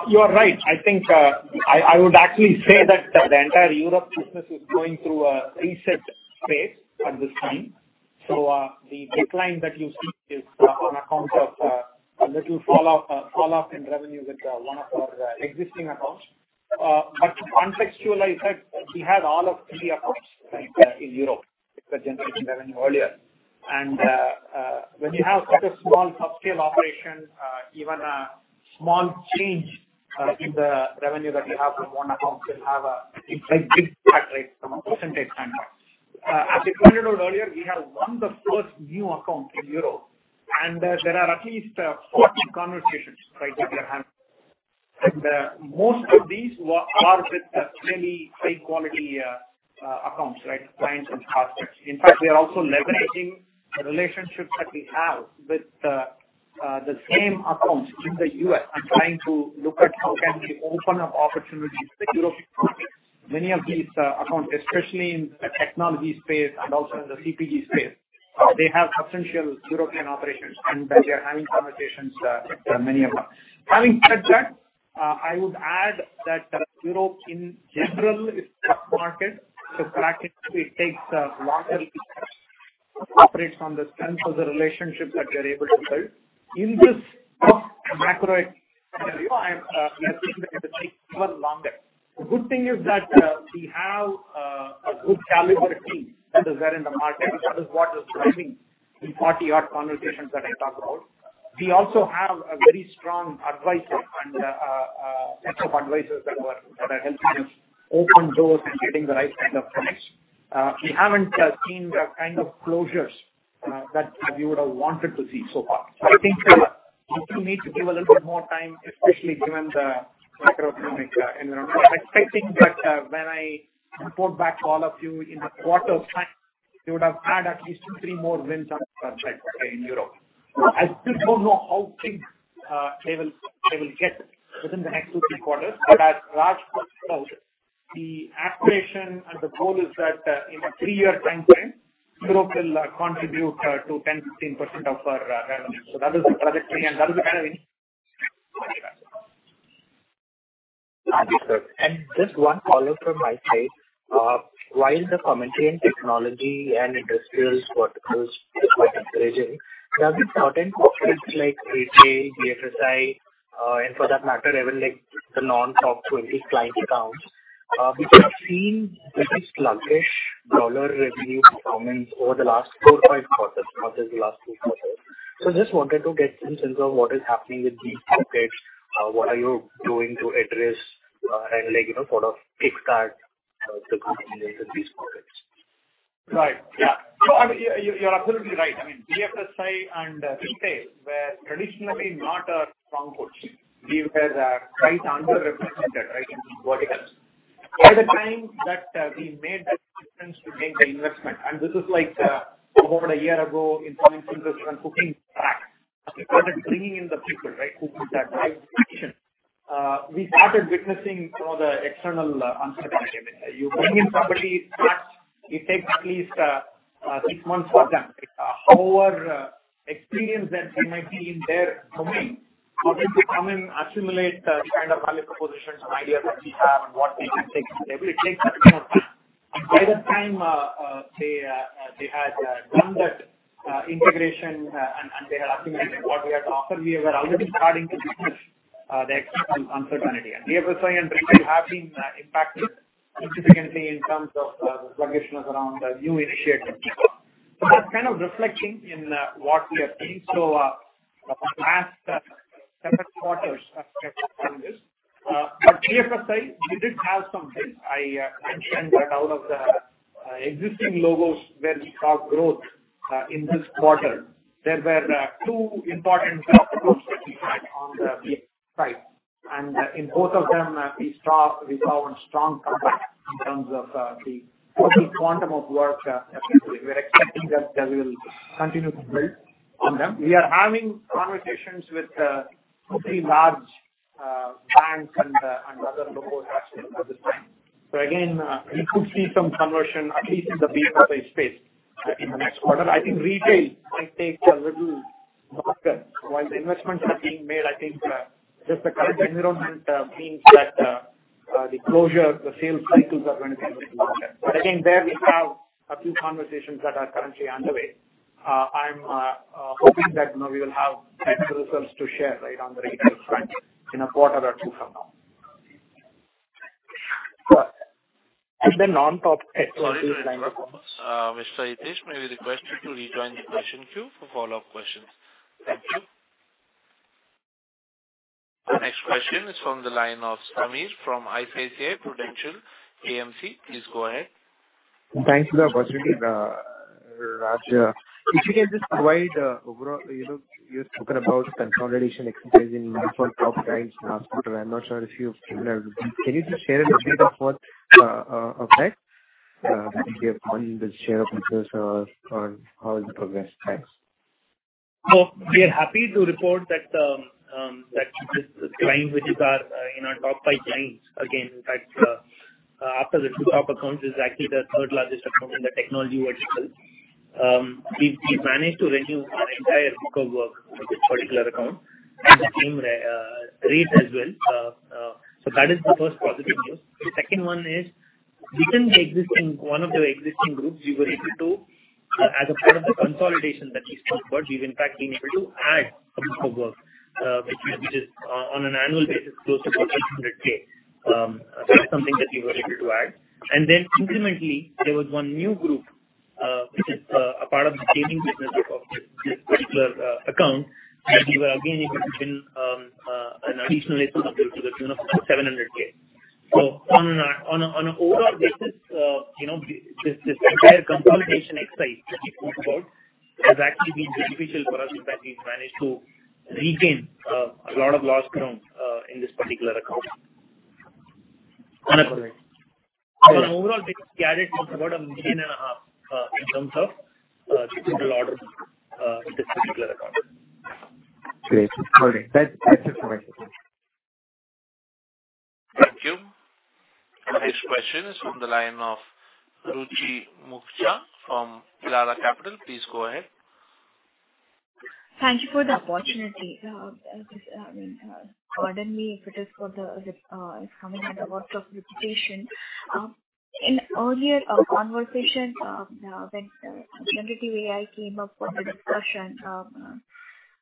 You are right. I would actually say that the entire Europe business is going through a reset phase at this time. The decline that you see is on account of a little falloff in revenue with one of our existing accounts. To contextualize that, we have all of three accounts, right, in Europe, generating revenue earlier. When you have such a small upscale operation, even a small change in the revenue that you have with one account will have a big impact, right, from a percentage standpoint. As I pointed out earlier, we have won the first new account in Europe. There are at least 40 conversations, right, that we are having. Most of these were, are with really high quality accounts, right? Clients and prospects. In fact, we are also leveraging the relationships that we have with the same accounts in the U.S. and trying to look at how can we open up opportunities to European markets. Many of these accounts, especially in the technology space and also in the CPG space, they have substantial European operations, and we are having conversations with many of them. Having said that, I would add that Europe in general is a tough market, so practically it takes longer, operates on the strength of the relationship that we are able to build. In this tough macro environment, I think that it will take even longer. The good thing is that we have a good caliber of team that is there in the market, which is what is driving the 40 odd conversations that I talked about. We also have a very strong advisor and set of advisors that are helping us open doors and getting the right kind of friends. We haven't seen the kind of closures that we would have wanted to see so far. I think we do need to give a little bit more time, especially given the macroeconomic environment. I'm expecting that when I report back to all of you in the quarter time, we would have had at least 2, 3 more wins on our side in Europe. I still don't know how things they will get within the next 2, 3 quarters. As Raj pointed out, the aspiration and the goal is that in a 3-year timeframe, Europe will contribute to 10%-15% of our revenue. That is the trajectory, and that is the kind of Just one follow from my side. While the commentary in technology and industrials verticals is quite encouraging, there are certain companies like CPG, BFSI, and for that matter, even like the non-top 20 client accounts, which have seen very sluggish dollar revenue performance over the last 4, 5 quarters, not just the last 2 quarters. Just wanted to get some sense of what is happening with these topics. What are you doing to address, and like, you know, sort of kickstart the continuation of these projects? I mean, you're absolutely right. I mean, BFSI and retail were traditionally not our strongholds. We were quite underrepresented, right, in these verticals. By the time that we made that difference to make the investment, and this is like over 1 year ago in terms of looking back, started bringing in the people, right, who could drive action. We started witnessing, you know, the external uncertainty. I mean, you bring in somebody, it takes at least 6 months for them. However, experienced that they might be in their domain, for them to come and assimilate the kind of value propositions and ideas that we have and what we can take, it takes a lot of time. By the time they had done that integration, and they had optimized what we had to offer, we were already starting to see the external uncertainty. BFSI and retail have been impacted significantly in terms of the sluggishness around the new initiatives. That's kind of reflecting in what we are seeing. The last 7 quarters have reflected on this. BFSI, we did have some wins. I mentioned that out of the existing logos where we saw growth in this quarter, there were 2 important groups that we had on the site. In both of them, we found strong progress in terms of the total quantum of work. We're expecting that they will continue to build on them. We are having conversations with pretty large banks and other logos at this time. Again, we could see some conversion, at least in the BFSI space in the next quarter. I think retail might take a little longer. While the investments are being made, I think, just the current environment means that the closure, the sales cycles are going to take a little longer. Again, there we have a few conversations that are currently underway. I'm hoping that, you know, we will have good results to share, right, on the retail front in a quarter or two from now. The non-top 20 line. Mr. Hitesh, may we request you to rejoin the question queue for follow-up questions? Thank you. Next question is from the line of Samir, from ICICI Prudential AMC. Please go ahead. Thanks for the opportunity, Raj. If you can just provide you know, you've spoken about consolidation exercise in different top clients in the past quarter. I'm not sure if you've given out. Can you just share an update of what okay, you have on the share of interest or on how it progressed? Thanks. We are happy to report that this client, which is our in our top five clients, again, in fact, after the two top accounts, is actually the third largest account in the technology vertical. We've managed to renew our entire book of work for this particular account and the same rate as well. That is the first positive news. The second one is, within one of the existing groups, we were able to as a part of the consolidation that we spoke about, we've in fact been able to add a book of work, which is on an annual basis, close to about $800K. That's something that we were able to add. Incrementally, there was one new group, which is a part of the changing business of this particular account, and we were again able to win an additional SOW to the tune of 700K. On an overall basis, you know, this entire consolidation exercise that we spoke about has actually been beneficial for us in that we've managed to regain a lot of lost ground in this particular account. All these gadgets about a million and a half INR in terms of digital order with this particular account. Great. Okay, that's just my question. Thank you. The next question is from the line of Ruchi Mukhija from Elara Capital. Please go ahead. Thank you for the opportunity. I mean, pardon me if it is for the coming at a lot of reputation. In earlier conversation, when generative AI came up for the discussion,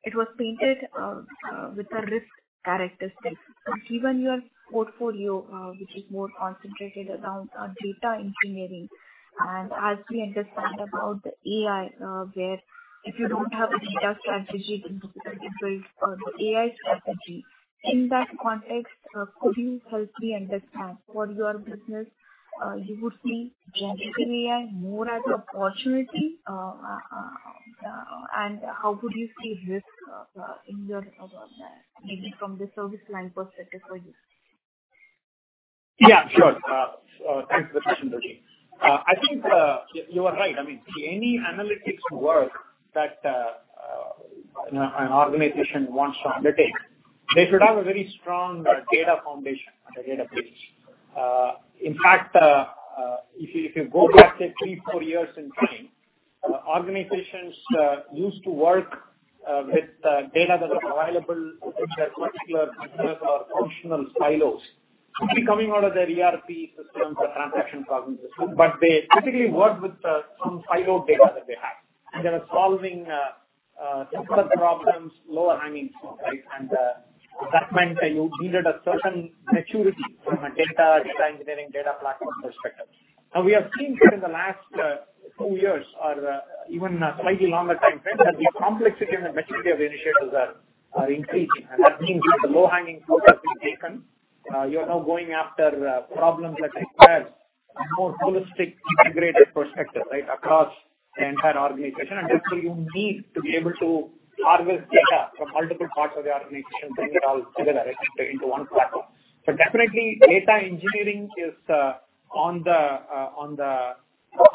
it was painted with a risk characteristic. Given your portfolio, which is more concentrated around data engineering, and as we understand about the AI, where if you don't have a data strategy, then it will the AI strategy. In that context, could you help me understand for your business, you would see generative AI more as an opportunity? How would you see risk in your maybe fromservice line perspective for you? Yeah, sure. Thanks for the question, Ruchi. I think, you are right. I mean, any analytics work that an organization wants to undertake, they should have a very strong data foundation and a database. In fact, if you go back, say, three, four years in time, organizations used to work with data that are available in their particular or functional silos, could be coming out of their ERP systems or transaction processing system, but they typically work with some siloed data that they have. They were solving simpler problems, lower hanging fruit, right? That meant that you needed a certain maturity from a data engineering, data platform perspective. Now, we have seen that in the last two years or even a slightly longer time frame, that the complexity and the maturity of initiatives are increasing. That means the low-hanging fruit has been taken. You are now going after problems that require a more holistic, integrated perspective, right? Across the entire organization. Therefore, you need to be able to harvest data from multiple parts of the organization, bring it all together into one platform. Definitely data engineering is on the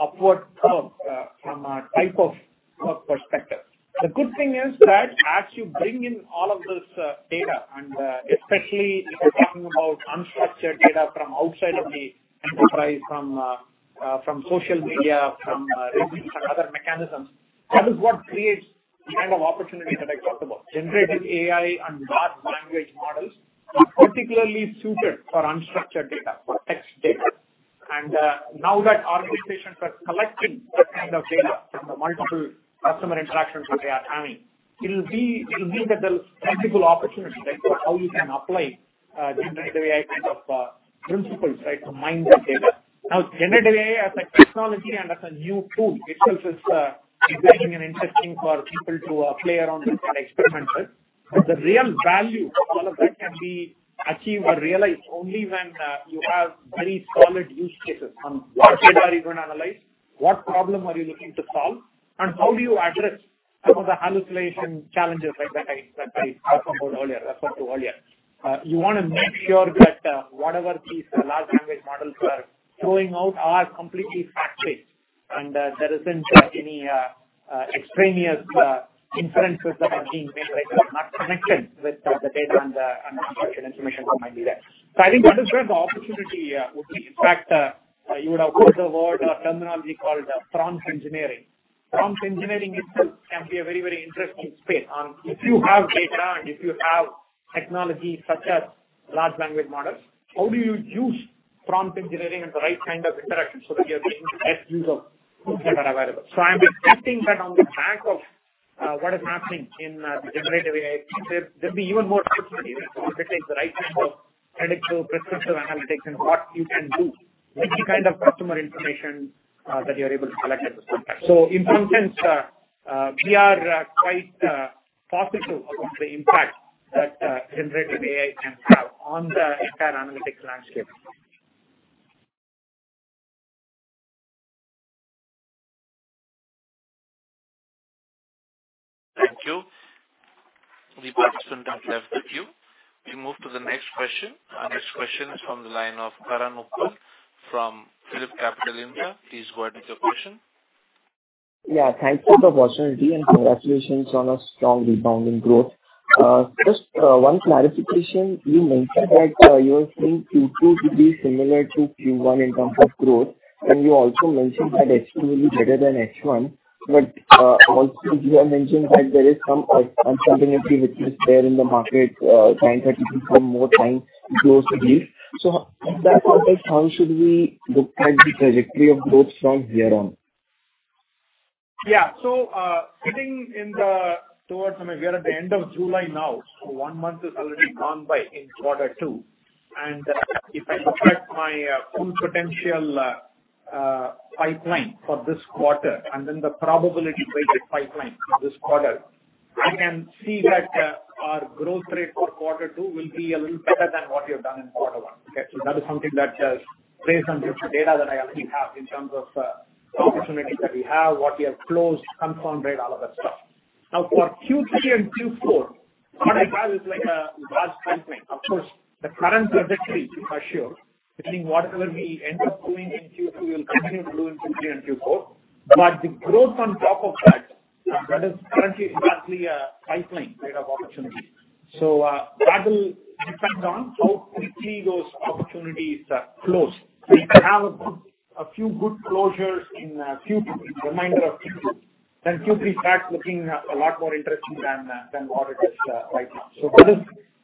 upward curve from a type of work perspective. The good thing is that as you bring in all of this, data, and, especially if you're talking about unstructured data from outside of the enterprise, from social media, from, reviews and other mechanisms, that is what creates the kind of opportunity that I talked about. generative AI and large language models are particularly suited for unstructured data, for text data. Now that organizations are collecting that kind of data from the multiple customer interactions that they are having, it'll be, it'll mean that there's multiple opportunities, right? For how you can apply, generative AI kind of, principles, right? To mine that data. Now, generative AI as a technology and as a new tool, itself is, exciting and interesting for people to, play around with and experiment with. The real value of all of that can be achieved or realized only when you have very solid use cases. On what data are you going to analyze? What problem are you looking to solve? How do you address some of the hallucination challenges, right, that I referred to earlier? You wanna make sure that whatever these large language models are throwing out are completely fact-checked, and there isn't any extraneous inferences that are being made, right, or not connected with the data and the construction information that might be there. I think understand the opportunity, would be, in fact, you would have heard the word or terminology called prompt engineering. Prompt engineering itself can be a very interesting space. If you have data and if you have technology such as large language models, how do you use prompt engineering and the right kind of interaction so that you're getting the best use of data available? I'm expecting that on the back of what is happening in the generative AI space, there'll be even more opportunity to undertake the right kind of predictive, prescriptive analytics and what you can do with the kind of customer information that you're able to collect at this point. In some sense, we are quite positive about the impact that generative AI can have on the entire analytics landscape. Thank you. We've got some time left with you. We move to the next question. Our next question is from the line of Karan Uppal from PhillipCapital India. Please go ahead with your question. Yeah, thank you for the opportunity, congratulations on a strong rebound in growth. Just one clarification. You mentioned that you are seeing Q2 to be similar to Q1 in terms of growth, you also mentioned that H2 will be better than H1. Also you have mentioned that there is some uncertainty which is there in the market, clients are taking some more time to close the deal. In that context, how should we look at the trajectory of growth from here on? Yeah. Towards, I mean, we are at the end of July now, one month is already gone by in quarter two. If I look at my own potential pipeline for this quarter, then the probability-weighted pipeline for this quarter, I can see that our growth rate for quarter two will be a little better than what we have done in quarter one. Okay, that is something that plays on the data that I already have in terms of the opportunities that we have, what we have closed, confirmed rate, all of that stuff. Now, for Q3 and Q4, what I have is like a large pipeline. Of course, the current trajectory for sure, between whatever we end up doing in Q2, we will continue to do in Q3 and Q4. The growth on top of that is currently exactly a pipeline rate of opportunity. That will depend on how quickly those opportunities are closed. If we have a few good closures in Q3, reminder of Q3, then Q3 starts looking a lot more interesting than what it is right now. That is,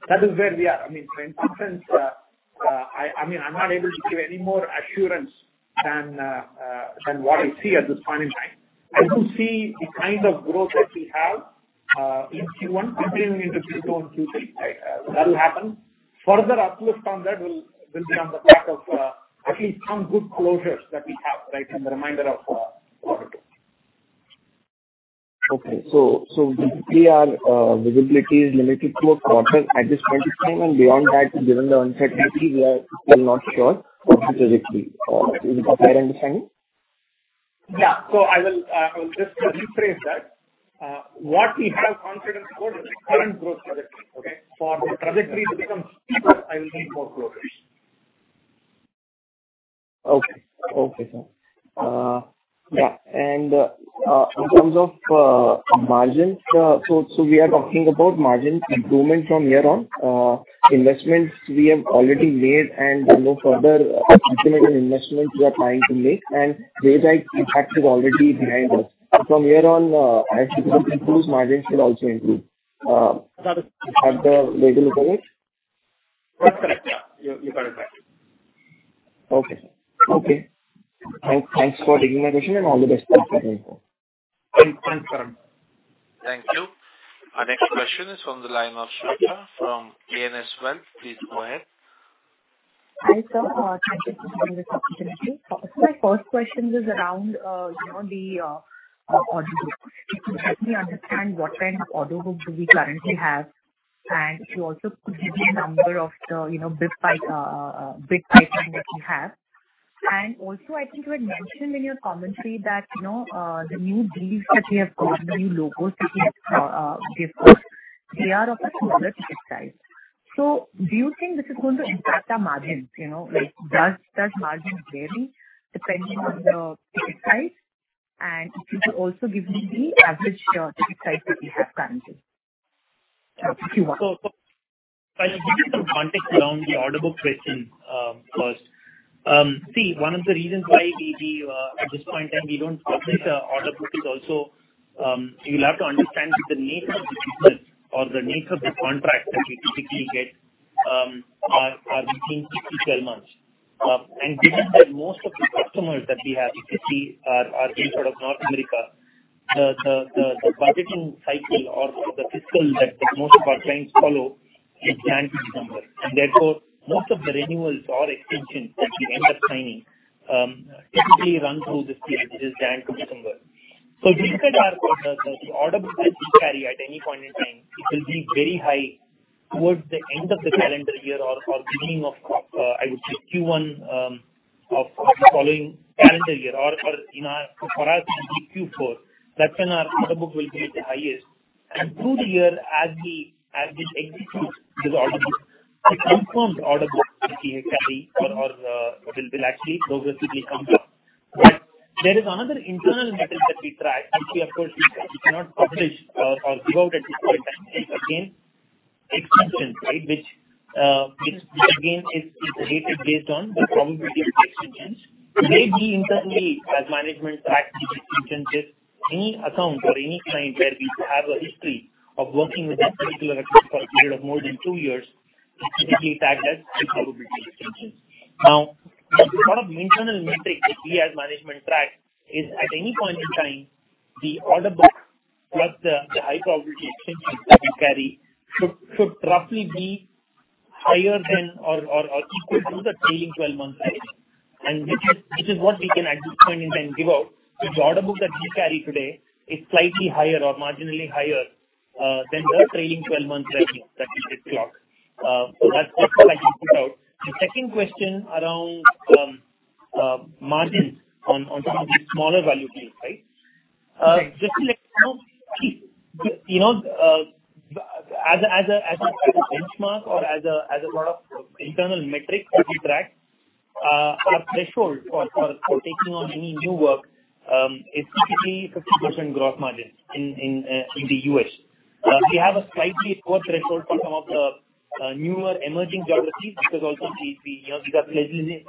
that is where we are. I mean, in some sense, I mean, I'm not able to give any more assurance than what I see at this point in time. I do see the kind of growth that we have, in Q1 continuing into Q2 and Q3. That will happen. Further uplift on that will be on the back of at least some good closures that we have, right, in the reminder of quarter two. Okay. We are visibility is limited to a quarter at this point in time, and beyond that, given the uncertainty, we are still not sure what the trajectory is. All right. Is that right understanding? Yeah. I will just rephrase that. What we have confidence for the current growth trajectory, okay? For the trajectory to become steeper, I will need more closures. Okay. Okay, sir. In terms of margins, we are talking about margins improvement from here on. Investments we have already made and no further significant investments we are trying to make, and their impact is already behind us. From here on, as business improves, margins will also improve at the regular pace? That's correct. Yeah, you got it right. Okay. Okay. Thanks for taking my question. All the best. Thanks, Karan. Thank you. Our next question is from the line of Swechha from ANS Wealth. Please go ahead. Hi, sir. Thank you for giving this opportunity. My first question is around, you know, the order book. If you help me understand what kind of order book do we currently have, and if you also could give me a number of the, you know, bid pipeline that we have. I think you had mentioned in your commentary that, you know, the new deals that we have got, the new logos that we have given, they are of a smaller ticket size. Do you think this is going to impact our margins? You know, like, does margins vary depending on the ticket size? If you could also give me the average ticket size that we have currently. I'll give you some context around the order book question first. One of the reasons why we at this point in time, we don't publish order book is also, you'll have to understand the nature of the business or the nature of the contract that we typically get are between 12 months. Given that most of the customers that we have, if you see, are based out of North America, the budgeting cycle or the fiscal that most of our clients follow is January to December. Therefore, most of the renewals or extensions that we end up signing typically run through this period, which is January to December. Given that the order book that we carry at any point in time, it will be very high towards the end of the calendar year or beginning of I would say Q1 of the following calendar year or for, you know, for us it will be Q4. That's when our order book will be at the highest. Through the year, as we execute this order book, the confirmed order book that we carry or will actually progressively come down. There is another internal metric that we track, which we, of course, we cannot publish or give out at this point in time. It's again, extension, right? Which again, is dated based on the probability of extensions. We internally, as management, track the extensions with any account or any client where we have a history of working with that particular account for a period of more than two years, is typically tagged as high probability extension. One of the internal metrics that we as management track is, at any point in time, the order book plus the high probability extensions that we carry should roughly be higher than or equal to the trailing 12-month size. Which is what we can at this point in time give out. The order book that we carry today is slightly higher or marginally higher than the trailing 12-month revenue that we just clocked. That's what I can put out. The second question around margins on some of these smaller value deals, right? Just to let you know, you know, as a, as a, as a benchmark or as a, as a lot of internal metrics that we track, our threshold for taking on any new work is typically 50% gross margin in the U.S. We have a slightly lower threshold for some of the newer emerging geographies, because also we, you know, we are placing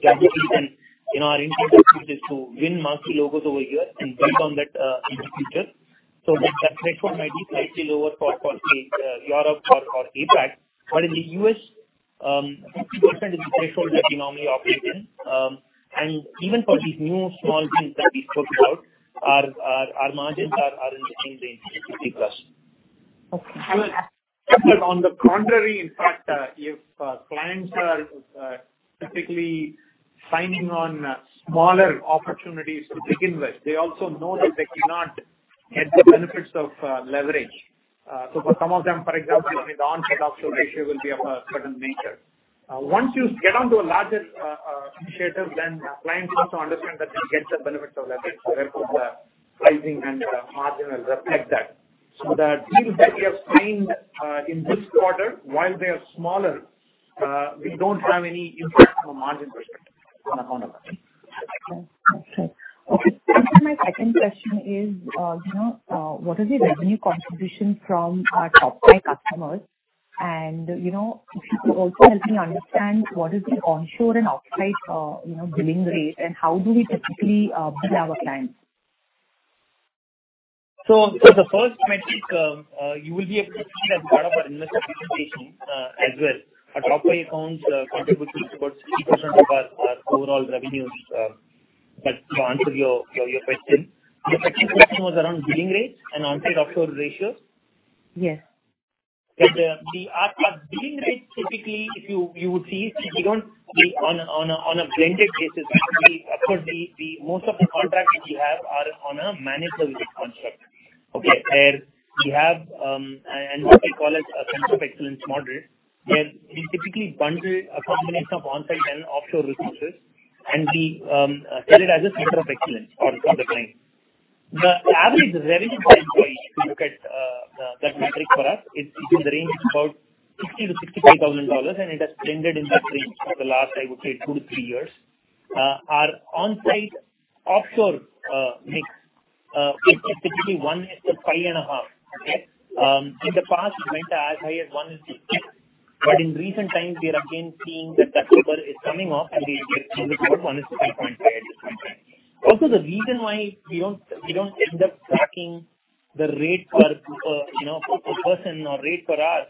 geographies and, you know, our intent is to win marquee logos over here and build on that in the future. That threshold might be slightly lower for Europe or APAC. In the U.S., 50% is the threshold that we normally operate in. Even for these new small deals that we spoke about, our margins are in the same range, 50%+. Okay. On the contrary, in fact, if clients are typically signing on smaller opportunities to begin with, they also know that they cannot get the benefits of leverage. For some of them, for example, I mean, the on-site offshore ratio will be of a certain nature. Once you get onto a larger initiatives, clients need to understand that they get the benefits of leverage, therefore the pricing and the margin will reflect that. The deals that we have signed in this quarter, while they are smaller, we don't have any impact from a margin perspective on account of that. Okay. Okay, my second question is, you know, what is the revenue contribution from our top five customers? You know, if you could also help me understand what is the onshore and offshore, you know, billing rate, and how do we typically, bill our clients? The first metric, you will be able to see as part of our investor presentation, as well. Our top five accounts contribute about 60% of our overall revenues. To answer your question, the second question was around billing rates and on-site offshore ratios? Yes. Our billing rate, typically, if you would see, we on a blended basis. Of course, the most of the contracts which we have are on a managed service construct, okay? Where we have, and what we call as a Center of Excellence model, where we typically bundle a combination of on-site and offshore resources, and we sell it as a Center of Excellence for the client. The average revenue per employee, if you look at that metric for us, it's in the range of about $50,000-$65,000, and it has blended in that range for the last, I would say, two to three years. Our on-site offshore mix is typically 1 is to 5.5. Okay? In the past, it went as high as 1 is to 6. In recent times, we are again seeing that that number is coming off, and we are about 1 is to 3.5 at this point in time. The reason why we don't end up tracking the rate per, you know, per person or rate per hour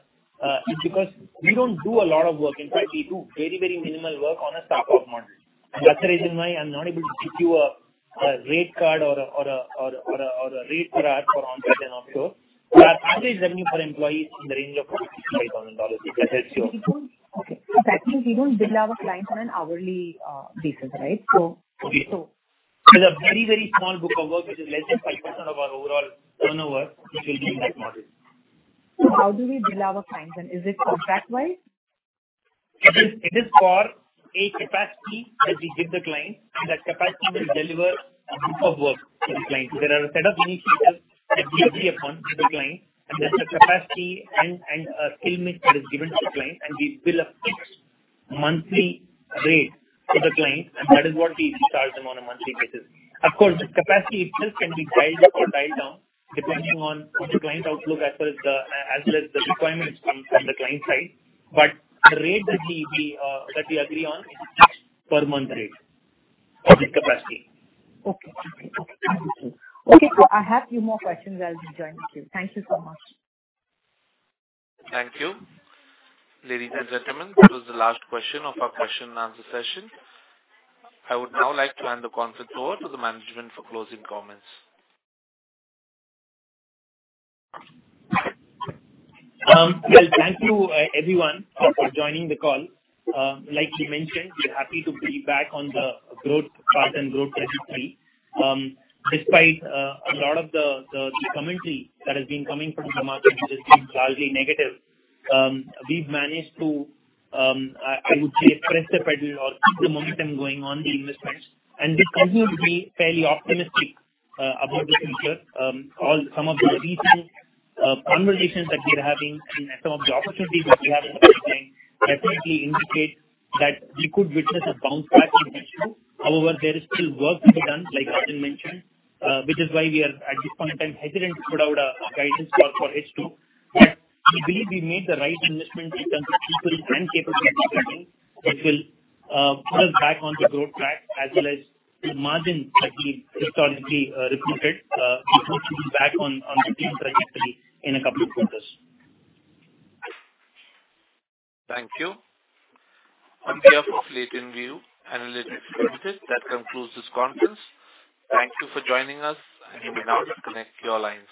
is because we don't do a lot of work. In fact, we do very, very minimal work on a stock off model. That's the reason why I'm not able to give you a rate card or a rate per hour for on-site and offshore. Our average revenue for employees is in the range of $40,000-$65,000, if that helps you. Okay. That means we don't bill our clients on an hourly basis, right? Okay. So. There's a very, very small book of work, which is less than 5% of our overall turnover, which will be in that model. How do we bill our clients, and is it contract-wise? It is for a capacity that we give the client. That capacity will deliver a book of work to the client. There are a set of initiatives that we agree upon with the client. There's a capacity and a skill mix that is given to the client. We bill a fixed monthly rate to the client. That is what we charge them on a monthly basis. Of course, the capacity itself can be dialed up or dialed down, depending on the client outlook, as well as the requirements from the client side. The rate that we that we agree on is a fixed per month rate for this capacity. Okay. Okay. Okay, thank you. Okay. I have a few more questions. I'll be joining you. Thank you so much. Thank you. Ladies and gentlemen, this was the last question of our question and answer session. I would now like to hand the conference over to the management for closing comments. Well, thank you, everyone, for joining the call. Like we mentioned, we're happy to be back on the growth path and growth trajectory. Despite a lot of the commentary that has been coming from the market, which has been largely negative, we've managed to, I would say, press the pedal or keep the momentum going on the investments. We continue to be fairly optimistic about the future. Some of the recent conversations that we're having and some of the opportunities that we have in front of the client definitely indicate that we could witness a bounce back in H2. However, there is still work to be done, like Rajan mentioned, which is why we are, at this point in time, hesitant to put out a guidance for H2. We believe we made the right investments in terms of people and capability building, which will put us back on the growth track, as well as the margin that we historically repeated back on the growth trajectory in a couple of quarters. Thank you. On behalf of Latent View Analytics Limited, that concludes this conference. Thank you for joining us, and you may now disconnect your lines.